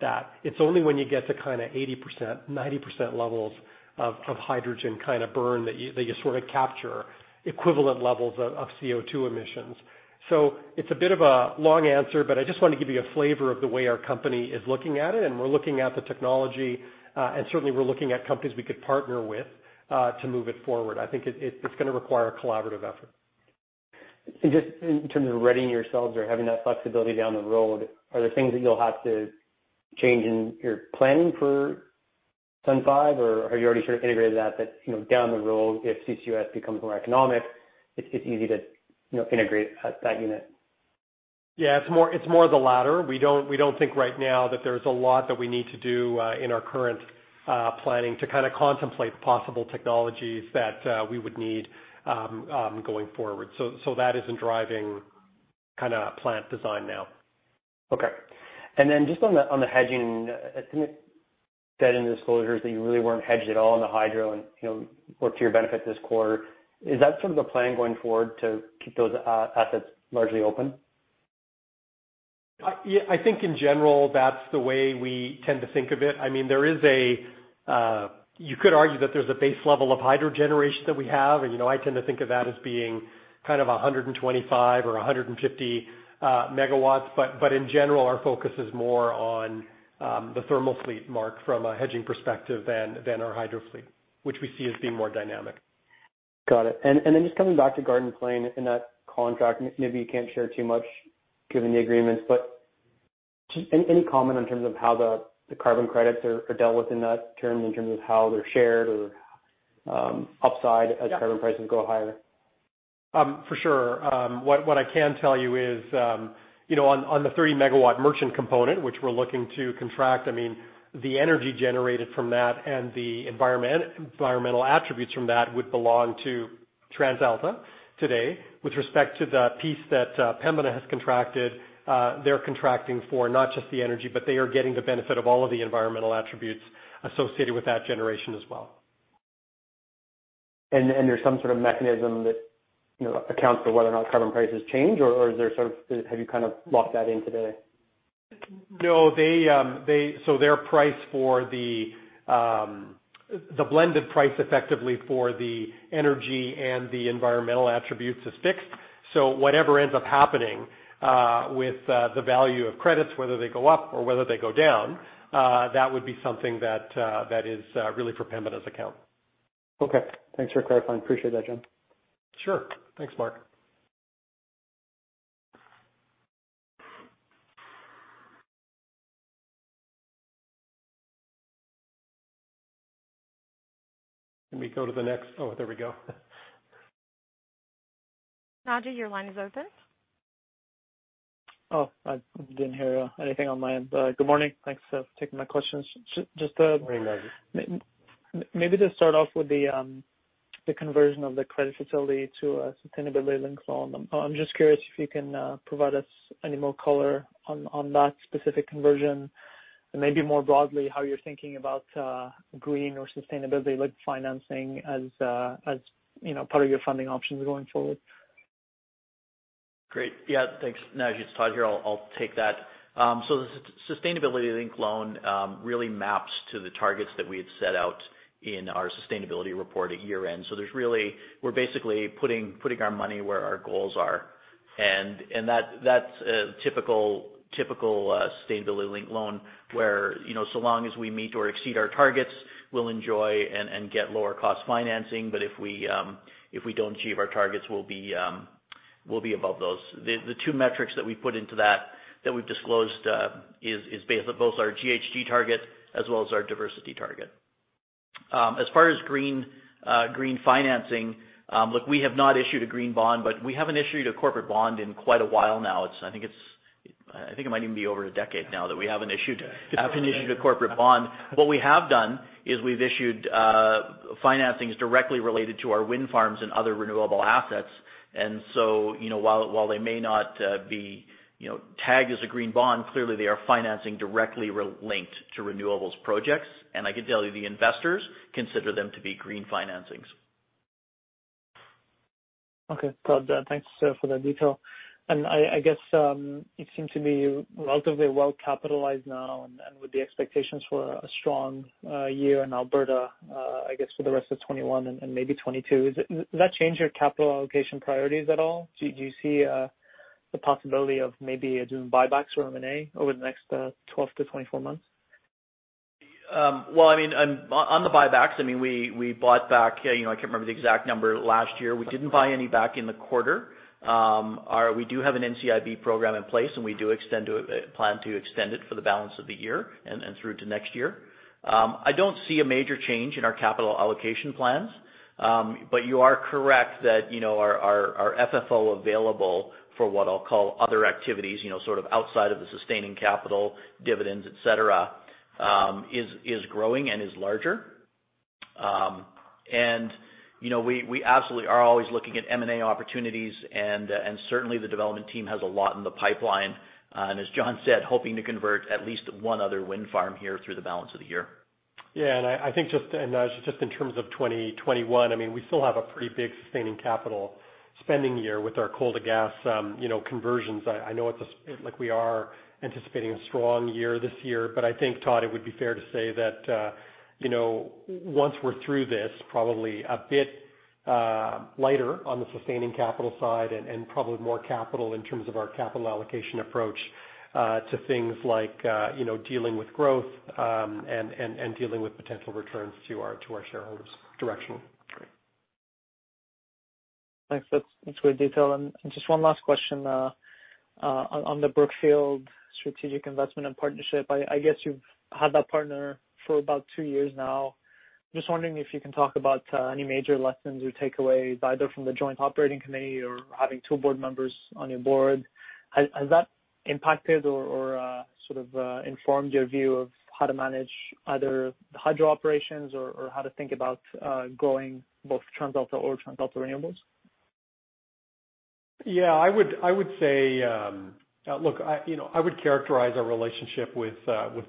that. It's only when you get to kind of 80%, 90% levels of hydrogen burn that you sort of capture equivalent levels of CO2 emissions. It's a bit of a long answer, but I just wanted to give you a flavor of the way our company is looking at it, and we're looking at the technology, and certainly we're looking at companies we could partner with to move it forward. I think it's going to require a collaborative effort. Just in terms of readying yourselves or having that flexibility down the road, are there things that you'll have to change in your planning for Sundance 5? Are you already sort of integrated that down the road, if CCUS becomes more economic, it's easy to integrate at that unit? Yeah, it's more the latter. We don't think right now that there's a lot that we need to do in our current planning to contemplate possible technologies that we would need going forward. That isn't driving plant design now. Okay. Just on the hedging, I think it said in the disclosures that you really weren't hedged at all in the hydro, and worked to your benefit this quarter. Is that sort of the plan going forward to keep those assets largely open? I think in general, that's the way we tend to think of it. You could argue that there's a base level of hydro generation that we have. I tend to think of that as being 125 or 150 MW. In general, our focus is more on the thermal fleet, Mark, from a hedging perspective than our hydro fleet, which we see as being more dynamic. Got it. Just coming back to Garden Plain and that contract, maybe you can't share too much given the agreements, but just any comment in terms of how the carbon credits are dealt with in that term, in terms of how they're shared or upside as carbon prices go higher? For sure. What I can tell you is, on the 30 MW merchant component, which we're looking to contract, the energy generated from that and the environmental attributes from that would belong to TransAlta today. With respect to the piece that Pembina has contracted, they're contracting for not just the energy, but they are getting the benefit of all of the environmental attributes associated with that generation as well. There's some sort of mechanism that accounts for whether or not carbon prices change? Have you kind of locked that in today? No. Their price for the blended price, effectively for the energy and the environmental attributes is fixed. Whatever ends up happening with the value of credits, whether they go up or whether they go down, that would be something that is really for Pembina's account. Okay. Thanks for clarifying. Appreciate that, John. Sure. Thanks, Mark. Can we go to the next Oh, there we go. Naji, your line is open. Oh, I didn't hear anything on my end. Good morning. Thanks for taking my questions. Good morning, Naji. Maybe just start off with the conversion of the credit facility to a sustainability-linked loan. I'm just curious if you can provide us any more color on that specific conversion, and maybe more broadly, how you're thinking about green or sustainability-linked financing as part of your funding options going forward? Great. Yeah, thanks, Naji. It's Todd here. I'll take that. The sustainability-linked loan really maps to the targets that we had set out in our sustainability report at year-end. We're basically putting our money where our goals are, and that's a typical sustainability-linked loan where, so long as we meet or exceed our targets, we'll enjoy and get lower cost financing. If we don't achieve our targets, we'll be above those. The two metrics that we put into that we've disclosed, is both our GHG target as well as our diversity target. As far as green financing, look, we have not issued a green bond, but we haven't issued a corporate bond in quite a while now. I think it might even be over a decade now that we haven't issued a corporate bond. What we have done is we've issued financings directly related to our wind farms and other renewable assets. While they may not be tagged as a green bond, clearly they are financing directly linked to renewables projects. I can tell you, the investors consider them to be green financings. Okay, Todd. Thanks for the detail. I guess you seem to be relatively well-capitalized now and with the expectations for a strong year in Alberta, I guess, for the rest of 2021 and maybe 2022. Does that change your capital allocation priorities at all? Do you see the possibility of maybe doing buybacks or M&A over the next 12-24 months? On the buybacks, we bought back, I can't remember the exact number last year. We didn't buy any back in the quarter. We do have an NCIB program in place, and we do plan to extend it for the balance of the year and through to next year. I don't see a major change in our capital allocation plans. You are correct that our FFO available for what I'll call other activities, sort of outside of the sustaining capital, dividends, et cetera, is growing and is larger. We absolutely are always looking at M&A opportunities, and certainly the development team has a lot in the pipeline. As John said, hoping to convert at least one other wind farm here through the balance of the year. I think, Naji, just in terms of 2021, we still have a pretty big sustaining capital spending year with our coal-to-gas conversions. I know it's like we are anticipating a strong year this year, but I think, Todd, it would be fair to say that, once we're through this, probably a bit lighter on the sustaining capital side and probably more capital in terms of our capital allocation approach to things like dealing with growth, and dealing with potential returns to our shareholders directionally. Great. Thanks. That's great detail. Just one last question, on the Brookfield strategic investment and partnership, I guess you've had that partner for about two years now. Just wondering if you can talk about any major lessons or takeaways, either from the joint operating committee or having two board members on your board. Has that impacted or sort of, informed your view of how to manage either the hydro operations or how to think about growing both TransAlta or TransAlta Renewables? I would characterize our relationship with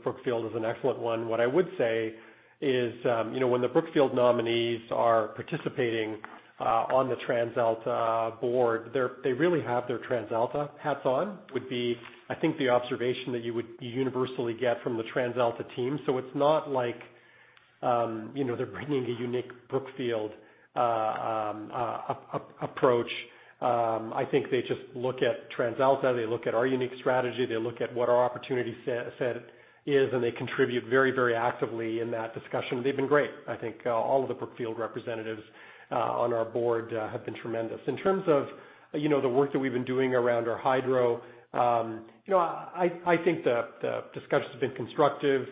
Brookfield as an excellent one. What I would say is when the Brookfield nominees are participating on the TransAlta board, they really have their TransAlta hats on, would be, I think, the observation that you would universally get from the TransAlta team. It's not like they're bringing a unique Brookfield approach. I think they just look at TransAlta, they look at our unique strategy, they look at what our opportunity set is, and they contribute very actively in that discussion. They've been great. I think all of the Brookfield representatives on our board have been tremendous. In terms of the work that we've been doing around our hydro, I think the discussions have been constructive.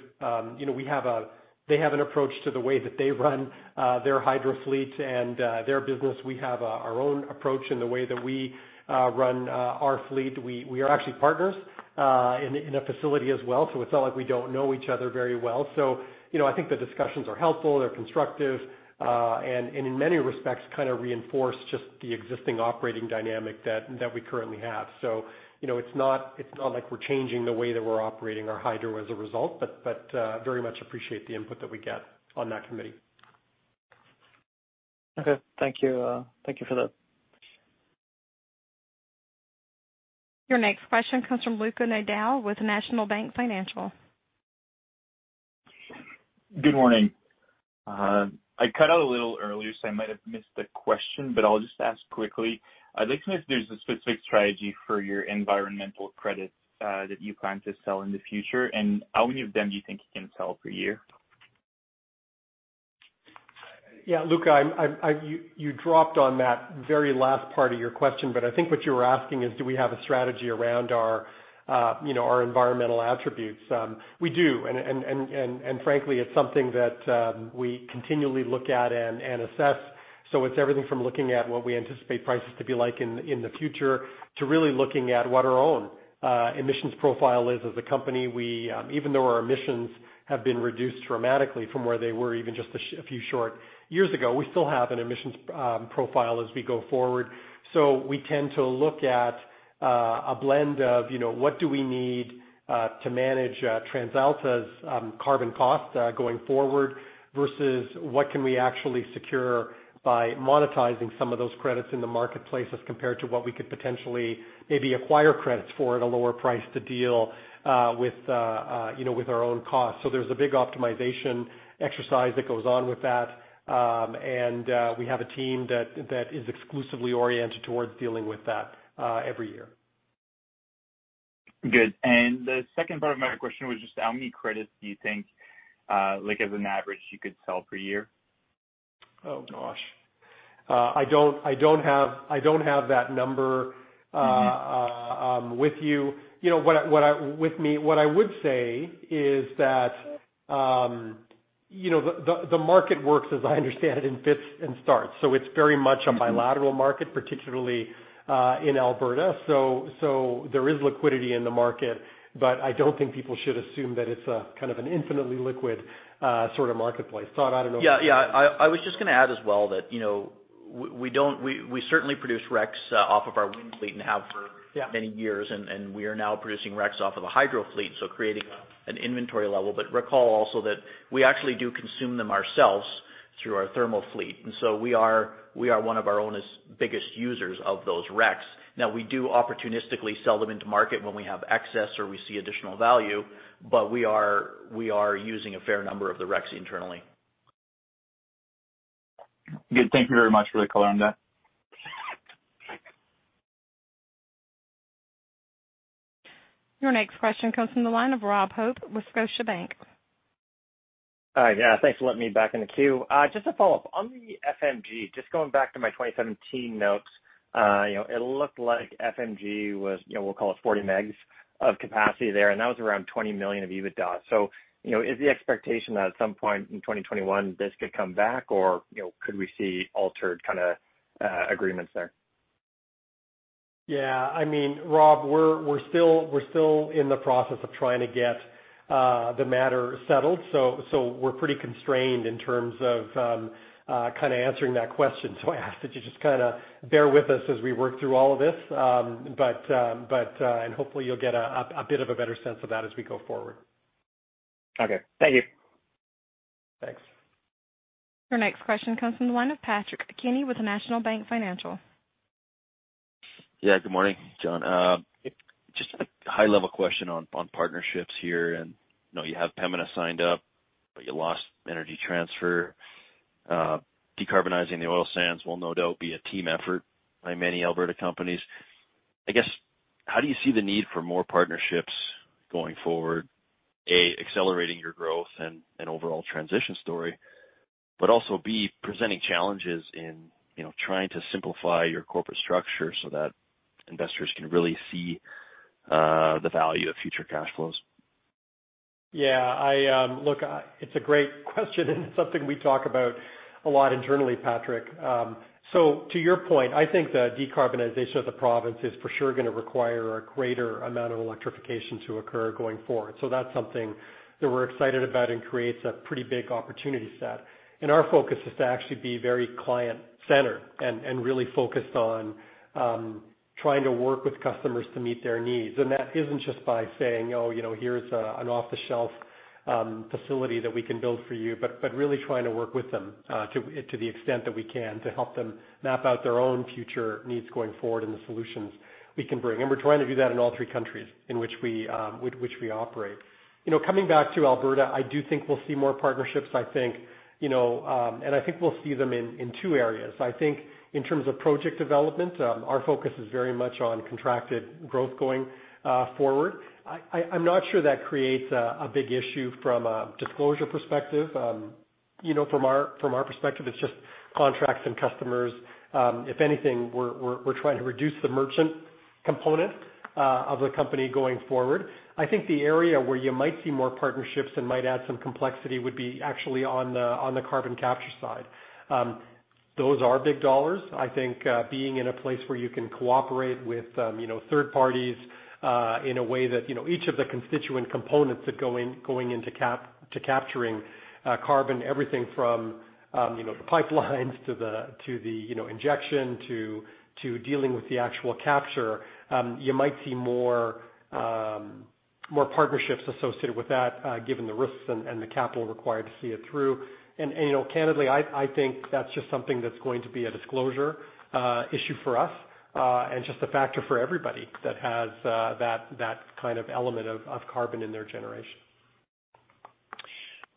They have an approach to the way that they run their hydro fleet and their business. We have our own approach in the way that we run our fleet. We are actually partners in a facility as well, so it's not like we don't know each other very well. I think the discussions are helpful, they're constructive, and in many respects, kind of reinforce just the existing operating dynamic that we currently have. It's not like we're changing the way that we're operating our hydro as a result, but very much appreciate the input that we get on that committee. Okay. Thank you. Thank you for that. Your next question comes from [Luca Nadal] with National Bank Financial. Good morning. I cut out a little earlier, so I might have missed the question, but I'll just ask quickly. I'd like to know if there's a specific strategy for your environmental credits, that you plan to sell in the future, and how many of them do you think you can sell per year? Yeah, [Luca], you dropped on that very last part of your question. I think what you were asking is, do we have a strategy around our environmental attributes? We do. Frankly, it's something that we continually look at and assess. It's everything from looking at what we anticipate prices to be like in the future, to really looking at what our own emissions profile is as a company. Even though our emissions have been reduced dramatically from where they were even just a few short years ago, we still have an emissions profile as we go forward. We tend to look at a blend of what do we need to manage TransAlta's carbon cost going forward versus what can we actually secure by monetizing some of those credits in the marketplace as compared to what we could potentially maybe acquire credits for at a lower price to deal with our own costs. There's a big optimization exercise that goes on with that. We have a team that is exclusively oriented towards dealing with that every year. Good. The second part of my question was just how many credits do you think, like as an average, you could sell per year? Oh, gosh. I don't have that number with me. What I would say is that the market works, as I understand it, in fits and starts. It's very much a bilateral market, particularly in Alberta. There is liquidity in the market, but I don't think people should assume that it's a kind of an infinitely liquid sort of marketplace. Todd, I don't know if. Yeah. I was just going to add as well that we certainly produce RECs off of our wind fleet and have- Yeah... many years, and we are now producing RECs off of a hydro fleet, so creating an inventory level. Recall also that we actually do consume them ourselves through our thermal fleet. We are one of our own biggest users of those RECs. Now, we do opportunistically sell them into market when we have excess or we see additional value, but we are using a fair number of the RECs internally. Good. Thank you very much for the color on that. Your next question comes from the line of Rob Hope with Scotiabank. Hi. Yeah, thanks for letting me back in the queue. Just to follow up, on the FMG, just going back to my 2017 notes, it looked like FMG was, we'll call it 40 MW of capacity there, and that was around 20 million of EBITDA. Is the expectation that at some point in 2021 this could come back or could we see altered kind of agreements there? Yeah, Rob, we're still in the process of trying to get the matter settled. We're pretty constrained in terms of kind of answering that question. I ask that you just bear with us as we work through all of this. Hopefully you'll get a bit of a better sense of that as we go forward. Okay. Thank you. Thanks. Your next question comes from the line of Patrick Kenny with National Bank Financial. Yeah, good morning, John. Just a high-level question on partnerships here. I know you have Pembina signed up, but you lost Energy Transfer. Decarbonizing the oil sands will no doubt be a team effort by many Alberta companies. I guess, how do you see the need for more partnerships going forward, A, accelerating your growth and overall transition story, but also, B, presenting challenges in trying to simplify your corporate structure so that investors can really see the value of future cash flows? Yeah. Look, it's a great question and something we talk about a lot internally, Patrick. To your point, I think the decarbonization of the province is for sure going to require a greater amount of electrification to occur going forward. That's something that we're excited about and creates a pretty big opportunity set. Our focus is to actually be very client-centered and really focused on trying to work with customers to meet their needs. That isn't just by saying, "Oh, here's an off-the-shelf facility that we can build for you," but really trying to work with them, to the extent that we can to help them map out their own future needs going forward and the solutions we can bring. We're trying to do that in all three countries in which we operate. Coming back to Alberta, I do think we'll see more partnerships. I think we'll see them in two areas. I think in terms of project development, our focus is very much on contracted growth going forward. I'm not sure that creates a big issue from a disclosure perspective. From our perspective, it's just contracts and customers. If anything, we're trying to reduce the merchant component of the company going forward. I think the area where you might see more partnerships and might add some complexity would be actually on the carbon capture side. Those are big dollars. I think being in a place where you can cooperate with third parties, in a way that each of the constituent components that go into capturing carbon, everything from the pipelines to the injection to dealing with the actual capture, you might see more partnerships associated with that, given the risks and the capital required to see it through. Candidly, I think that's just something that's going to be a disclosure issue for us, and just a factor for everybody that has that kind of element of carbon in their generation.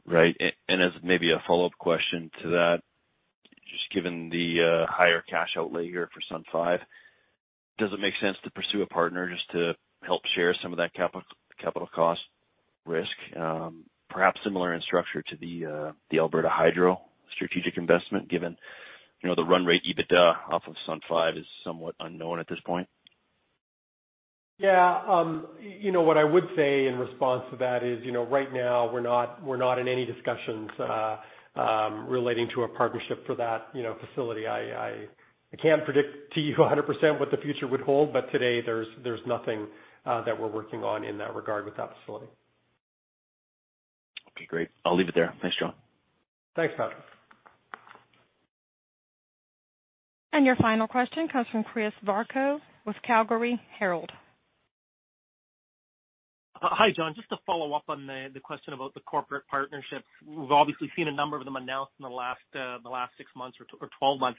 Right. As maybe a follow-up question to that, just given the higher cash outlay here for Sun 5, does it make sense to pursue a partner just to help share some of that capital cost risk? Perhaps similar in structure to the Alberta Hydro strategic investment, given the run rate EBITDA off of Sun 5 is somewhat unknown at this point. Yeah. What I would say in response to that is, right now we're not in any discussions relating to a partnership for that facility. I can't predict to you 100% what the future would hold, but today there's nothing that we're working on in that regard with that facility. Okay, great. I'll leave it there. Thanks, John. Thanks, Patrick. Your final question comes from Chris Varcoe with Calgary Herald. Hi, John. Just to follow up on the question about the corporate partnerships. We've obviously seen a number of them announced in the last 12 months.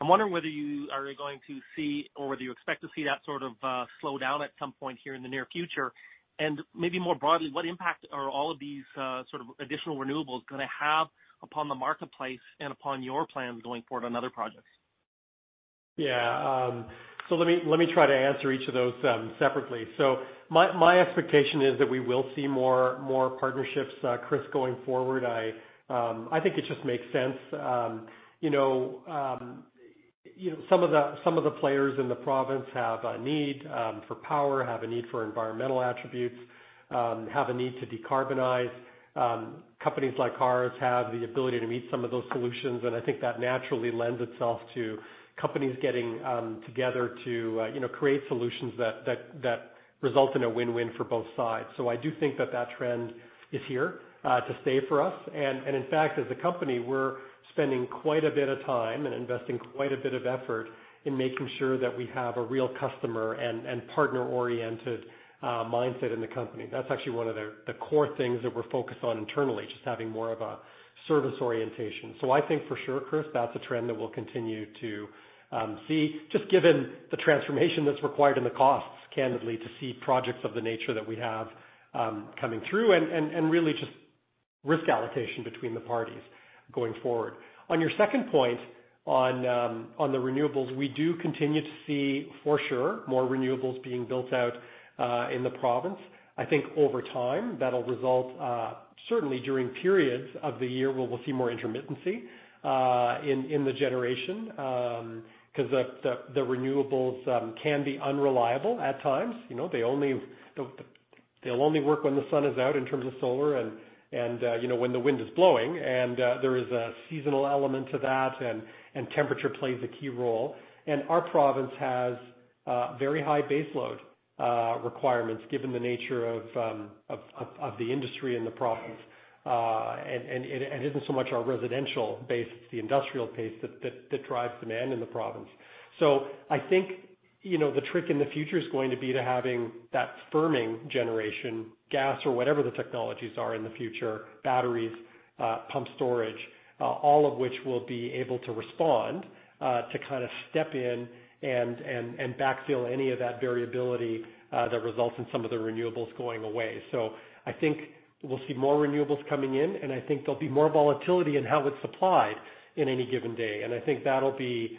I'm wondering whether you are going to see, or whether you expect to see that sort of slow down at some point here in the near future? Maybe more broadly, what impact are all of these sort of additional renewables going to have upon the marketplace and upon your plans going forward on other projects? Yeah. Let me try to answer each of those separately. My expectation is that we will see more partnerships, Chris, going forward. I think it just makes sense. Some of the players in the province have a need for power, have a need for environmental attributes, have a need to decarbonize. Companies like ours have the ability to meet some of those solutions, and I think that naturally lends itself to companies getting together to create solutions that result in a win-win for both sides. I do think that that trend is here to stay for us. In fact, as a company, we're spending quite a bit of time and investing quite a bit of effort in making sure that we have a real customer and partner-oriented mindset in the company. That's actually one of the core things that we're focused on internally, just having more of a service orientation. I think for sure, Chris, that's a trend that we'll continue to see, just given the transformation that's required and the costs, candidly, to see projects of the nature that we have coming through and really just risk allocation between the parties going forward. On your second point on the renewables, we do continue to see for sure more renewables being built out in the province. I think over time that'll result, certainly during periods of the year, we'll see more intermittency in the generation. The renewables can be unreliable at times. They'll only work when the sun is out in terms of solar and when the wind is blowing and there is a seasonal element to that and temperature plays a key role. Our province has very high baseload requirements given the nature of the industry in the province. It isn't so much our residential base, it's the industrial base that drives demand in the province. I think, the trick in the future is going to be to having that firming generation, gas or whatever the technologies are in the future, batteries, pumped storage, all of which will be able to respond, to step in and backfill any of that variability, that results in some of the renewables going away. I think we'll see more renewables coming in, and I think there'll be more volatility in how it's supplied in any given day. I think that'll be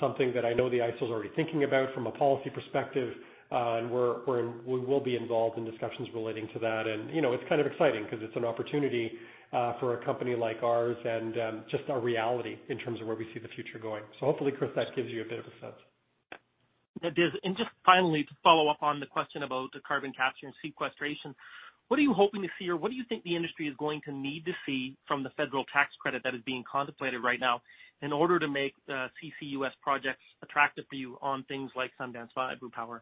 something that I know the AESO's already thinking about from a policy perspective. We will be involved in discussions relating to that. It's kind of exciting because it's an opportunity for a company like ours and just a reality in terms of where we see the future going. Hopefully, Chris, that gives you a bit of a sense. It does. Just finally, to follow up on the question about the carbon capture and sequestration, what are you hoping to see or what do you think the industry is going to need to see from the federal tax credit that is being contemplated right now in order to make CCUS projects attractive for you on things like Sundance 5, repower?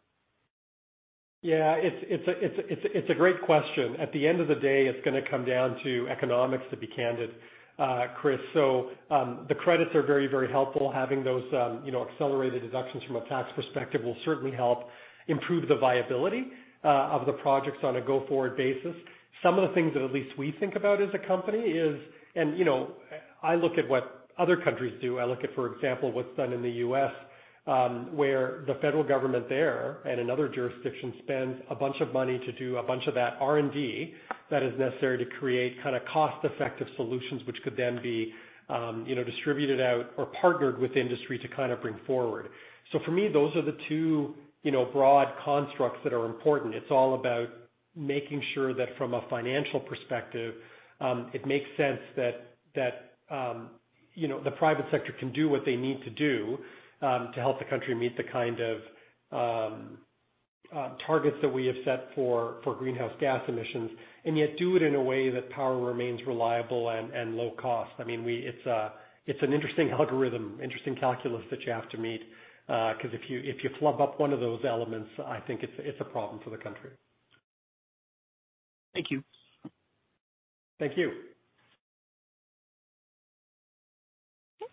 Yeah. It's a great question. At the end of the day, it's going to come down to economics, to be candid, Chris. The credits are very helpful. Having those accelerated deductions from a tax perspective will certainly help improve the viability of the projects on a go-forward basis. Some of the things that at least we think about as a company is, and I look at what other countries do. I look at, for example, what's done in the U.S., where the federal government there and another jurisdiction spends a bunch of money to do a bunch of that R&D that is necessary to create cost-effective solutions, which could then be distributed out or partnered with industry to bring forward. For me, those are the two broad constructs that are important. It's all about making sure that from a financial perspective, it makes sense that the private sector can do what they need to do, to help the country meet the kind of targets that we have set for greenhouse gas emissions, and yet do it in a way that power remains reliable and low cost. It's an interesting algorithm, interesting calculus that you have to meet. If you flub up one of those elements, I think it's a problem for the country. Thank you. Thank you.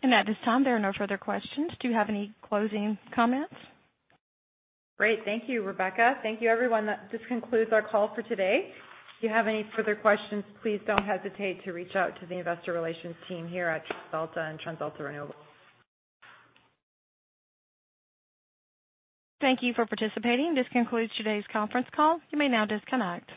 At this time, there are no further questions. Do you have any closing comments? Great. Thank you, Rebecca. Thank you everyone. This concludes our call for today. If you have any further questions, please don't hesitate to reach out to the Investor Relations team here at TransAlta and TransAlta Renewables. Thank you for participating. This concludes today's conference call. You may now disconnect.